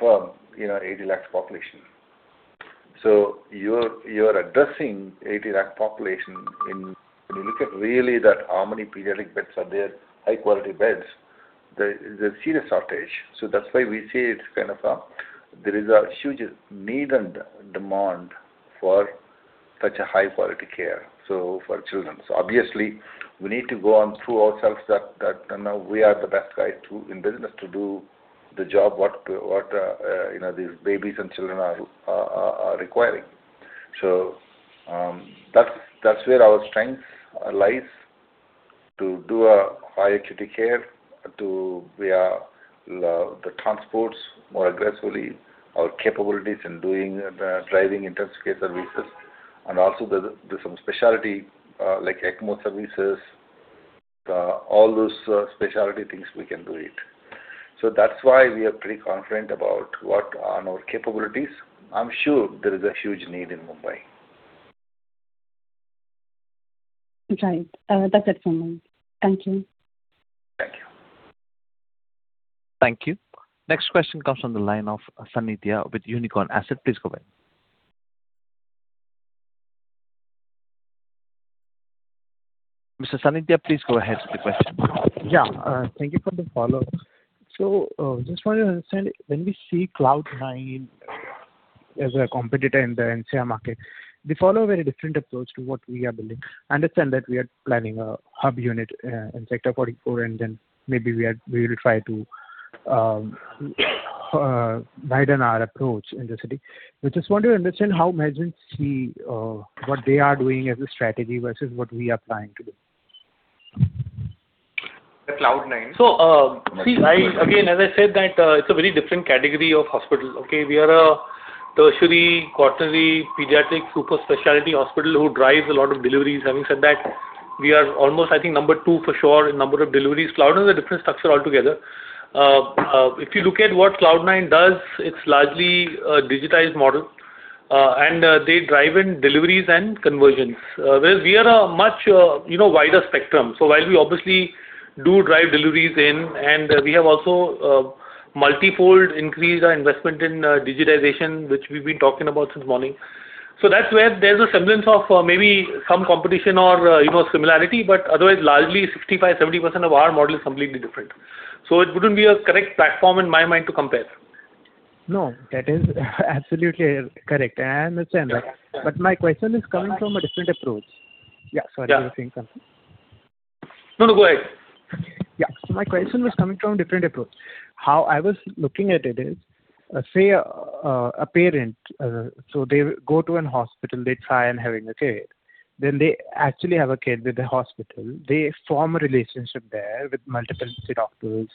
80 lakh population. You're addressing 80 lakh population in, when you look at really that how many pediatric beds are there, high-quality beds, there's a serious shortage. That's why we say there is a huge need and demand for such a high-quality care for children. Obviously, we need to go and prove ourselves that we are the best guys in business to do the job, what these babies and children are requiring. That's where our strength lies, to do a higher acuity care, to the transports more aggressively, our capabilities in driving intensive care services, and also there's some specialty, like ECMO services, all those specialty things we can do it. That's why we are pretty confident about what are our capabilities. I'm sure there is a huge need in Mumbai. Right. That's it from me. Thank you. Thank you. Thank you. Next question comes on the line of [Samy Dea] with Unicorn Asset. Please go ahead. Mr. [Samy Dea], please go ahead with the question. Thank you for the follow-up. Just wanted to understand, when we see Cloudnine as a competitor in the NCR market, they follow a very different approach to what we are building. Understand that we are planning a hub unit in Sector 44, and then maybe we will try to widen our approach in the city. Just want to understand how Medanta see what they are doing as a strategy versus what we are trying to do. The Cloudnine. See, again, as I said that it's a very different category of hospital. Okay. We are a tertiary, quaternary, pediatric, super specialty hospital who drives a lot of deliveries. Having said that, we are almost, I think, number two for sure in number of deliveries. Cloudnine is a different structure altogether If you look at what Cloudnine does, it's largely a digitized model, and they drive in deliveries and conversions. Whereas we are a much wider spectrum. While we obviously do drive deliveries in, and we have also multi-fold increased our investment in digitization, which we've been talking about since morning. That's where there's a semblance of maybe some competition or similarity, but otherwise, largely, 65%-70% of our model is completely different. It wouldn't be a correct platform, in my mind, to compare. No, that is absolutely correct. I understand that. My question is coming from a different approach. Yeah, sorry, you were saying something. No, go ahead. Yeah. My question was coming from a different approach. How I was looking at it is, say a parent, they go to a hospital, they try and have a kid. They actually have a kid with the hospital. They form a relationship there with multiple doctors,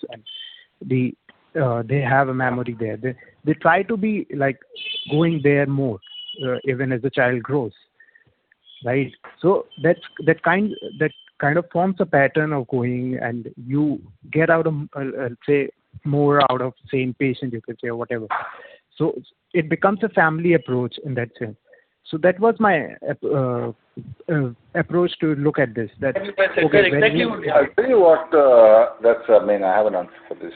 they have a memory there. They try to be going there more, even as the child grows. Right? That forms a pattern of going, you get more out of same patient, you could say, or whatever. It becomes a family approach in that sense. That was my approach to look at this. Exactly my sense. Exactly. I'll tell you what, that's, I mean, I have an answer for this.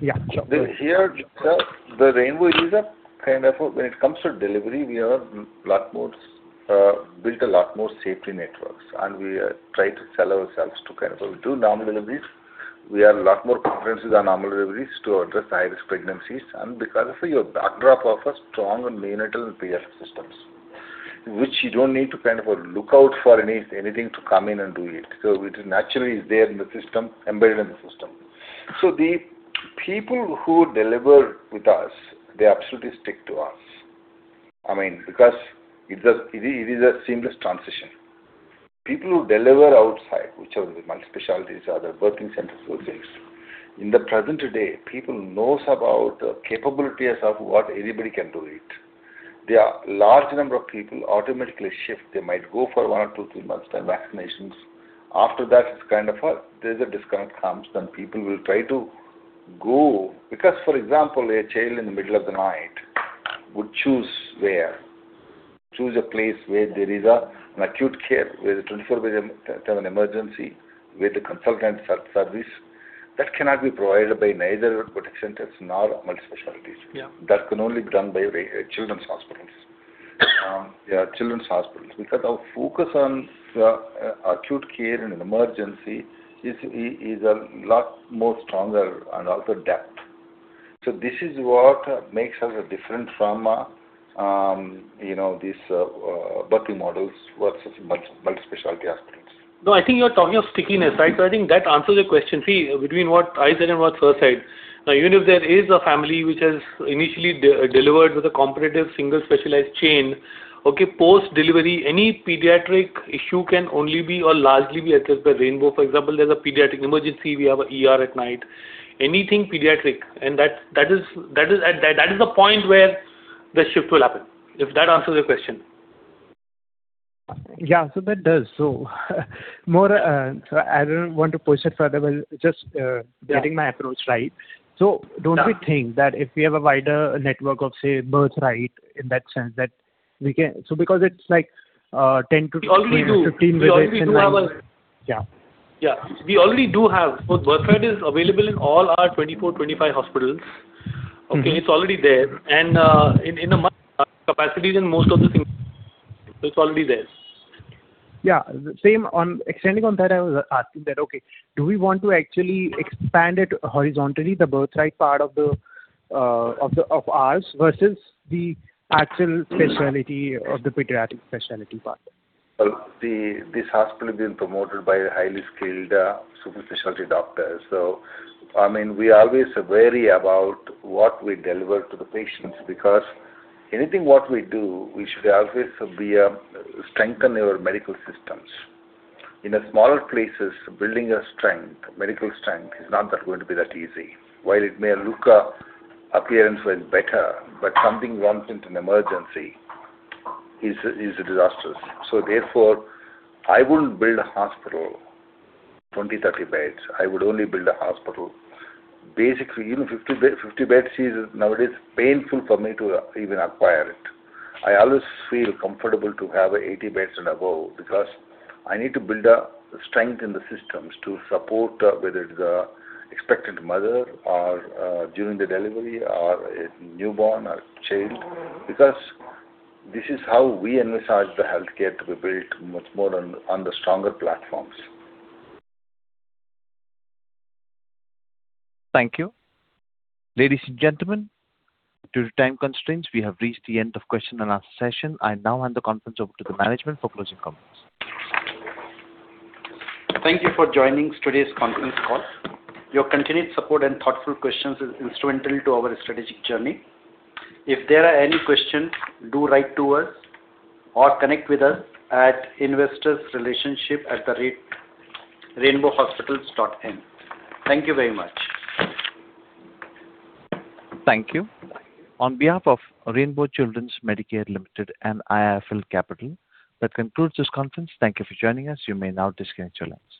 Yeah, sure. Here, the Rainbow is a kind of. When it comes to delivery, we have built a lot more safety networks, and we try to sell ourselves to kind of do normal deliveries. We have a lot more confidence with our normal deliveries to address the high-risk pregnancies. Because of your backdrop of a strong neonatal and pediatric systems, which you don't need to look out for anything to come in and do it. It naturally is there in the system, embedded in the system. The people who deliver with us, they absolutely stick to us. I mean, because it is a seamless transition. People who deliver outside, whichever the multispecialties or other birthing centers, those things. In the present day, people knows about capabilities of what anybody can do it. There are large number of people automatically shift. They might go for one or two, three months time vaccinations. After that, there is a disconnect comes. People will try to go. For example, a child in the middle of the night would choose where? Choose a place where there is an acute care, where the 24/7 emergency, where the consultant service. That cannot be provided by neither birth centers nor multispecialties. Yeah. That can only be done by children's hospitals. Children's hospitals. Our focus on acute care and emergency is a lot more stronger and also depth. This is what makes us different from these birthing models versus multispecialty hospitals. I think you are talking of stickiness, right? I think that answers your question. Between what I said and what sir said. Even if there is a family which has initially delivered with a competitive single specialized chain, post-delivery, any pediatric issue can only be or largely be addressed by Rainbow. For example, there is a pediatric emergency, we have a ER at night. Anything pediatric. That is the point where the shift will happen. If that answers your question. That does. I don't want to push it further. Just getting my approach right. Don't we think that if we have a wider network of, say, BirthRight, in that sense, because it is like 10-15 visits? We already do have. Yeah. Yeah. We already do have. BirthRight is available in all our 24, 25 hospitals. It's already there. In a much capacities in most of the things, it's already there. Yeah. Same, extending on that, I was asking that, okay, do we want to actually expand it horizontally, the BirthRight part of ours, versus the actual specialty of the pediatric specialty part? Well, this hospital has been promoted by highly skilled super specialty doctors. I mean, we always wary about what we deliver to the patients, because anything what we do, we should always strengthen our medical systems. In a smaller places, building a strength, medical strength, is not going to be that easy. While it may look appearance was better, but something runs into an emergency, is disastrous. Therefore, I wouldn't build a hospital, 20, 30 beds. I would only build a hospital, basically even 50 beds is nowadays painful for me to even acquire it. I always feel comfortable to have a 80 beds and above because I need to build a strength in the systems to support, whether it's the expectant mother or during the delivery or a newborn or child. This is how we envisage the healthcare to be built much more on the stronger platforms. Thank you. Ladies and gentlemen, due to time constraints, we have reached the end of question and answer session. I now hand the conference over to the management for closing comments. Thank you for joining today's conference call. Your continued support and thoughtful questions is instrumental to our strategic journey. If there are any questions, do write to us or connect with us at investorsrelationship@rainbowhospitals.in. Thank you very much. Thank you. On behalf of Rainbow Children's Medicare Limited and IIFL Capital, that concludes this conference. Thank you for joining us. You may now disconnect your lines.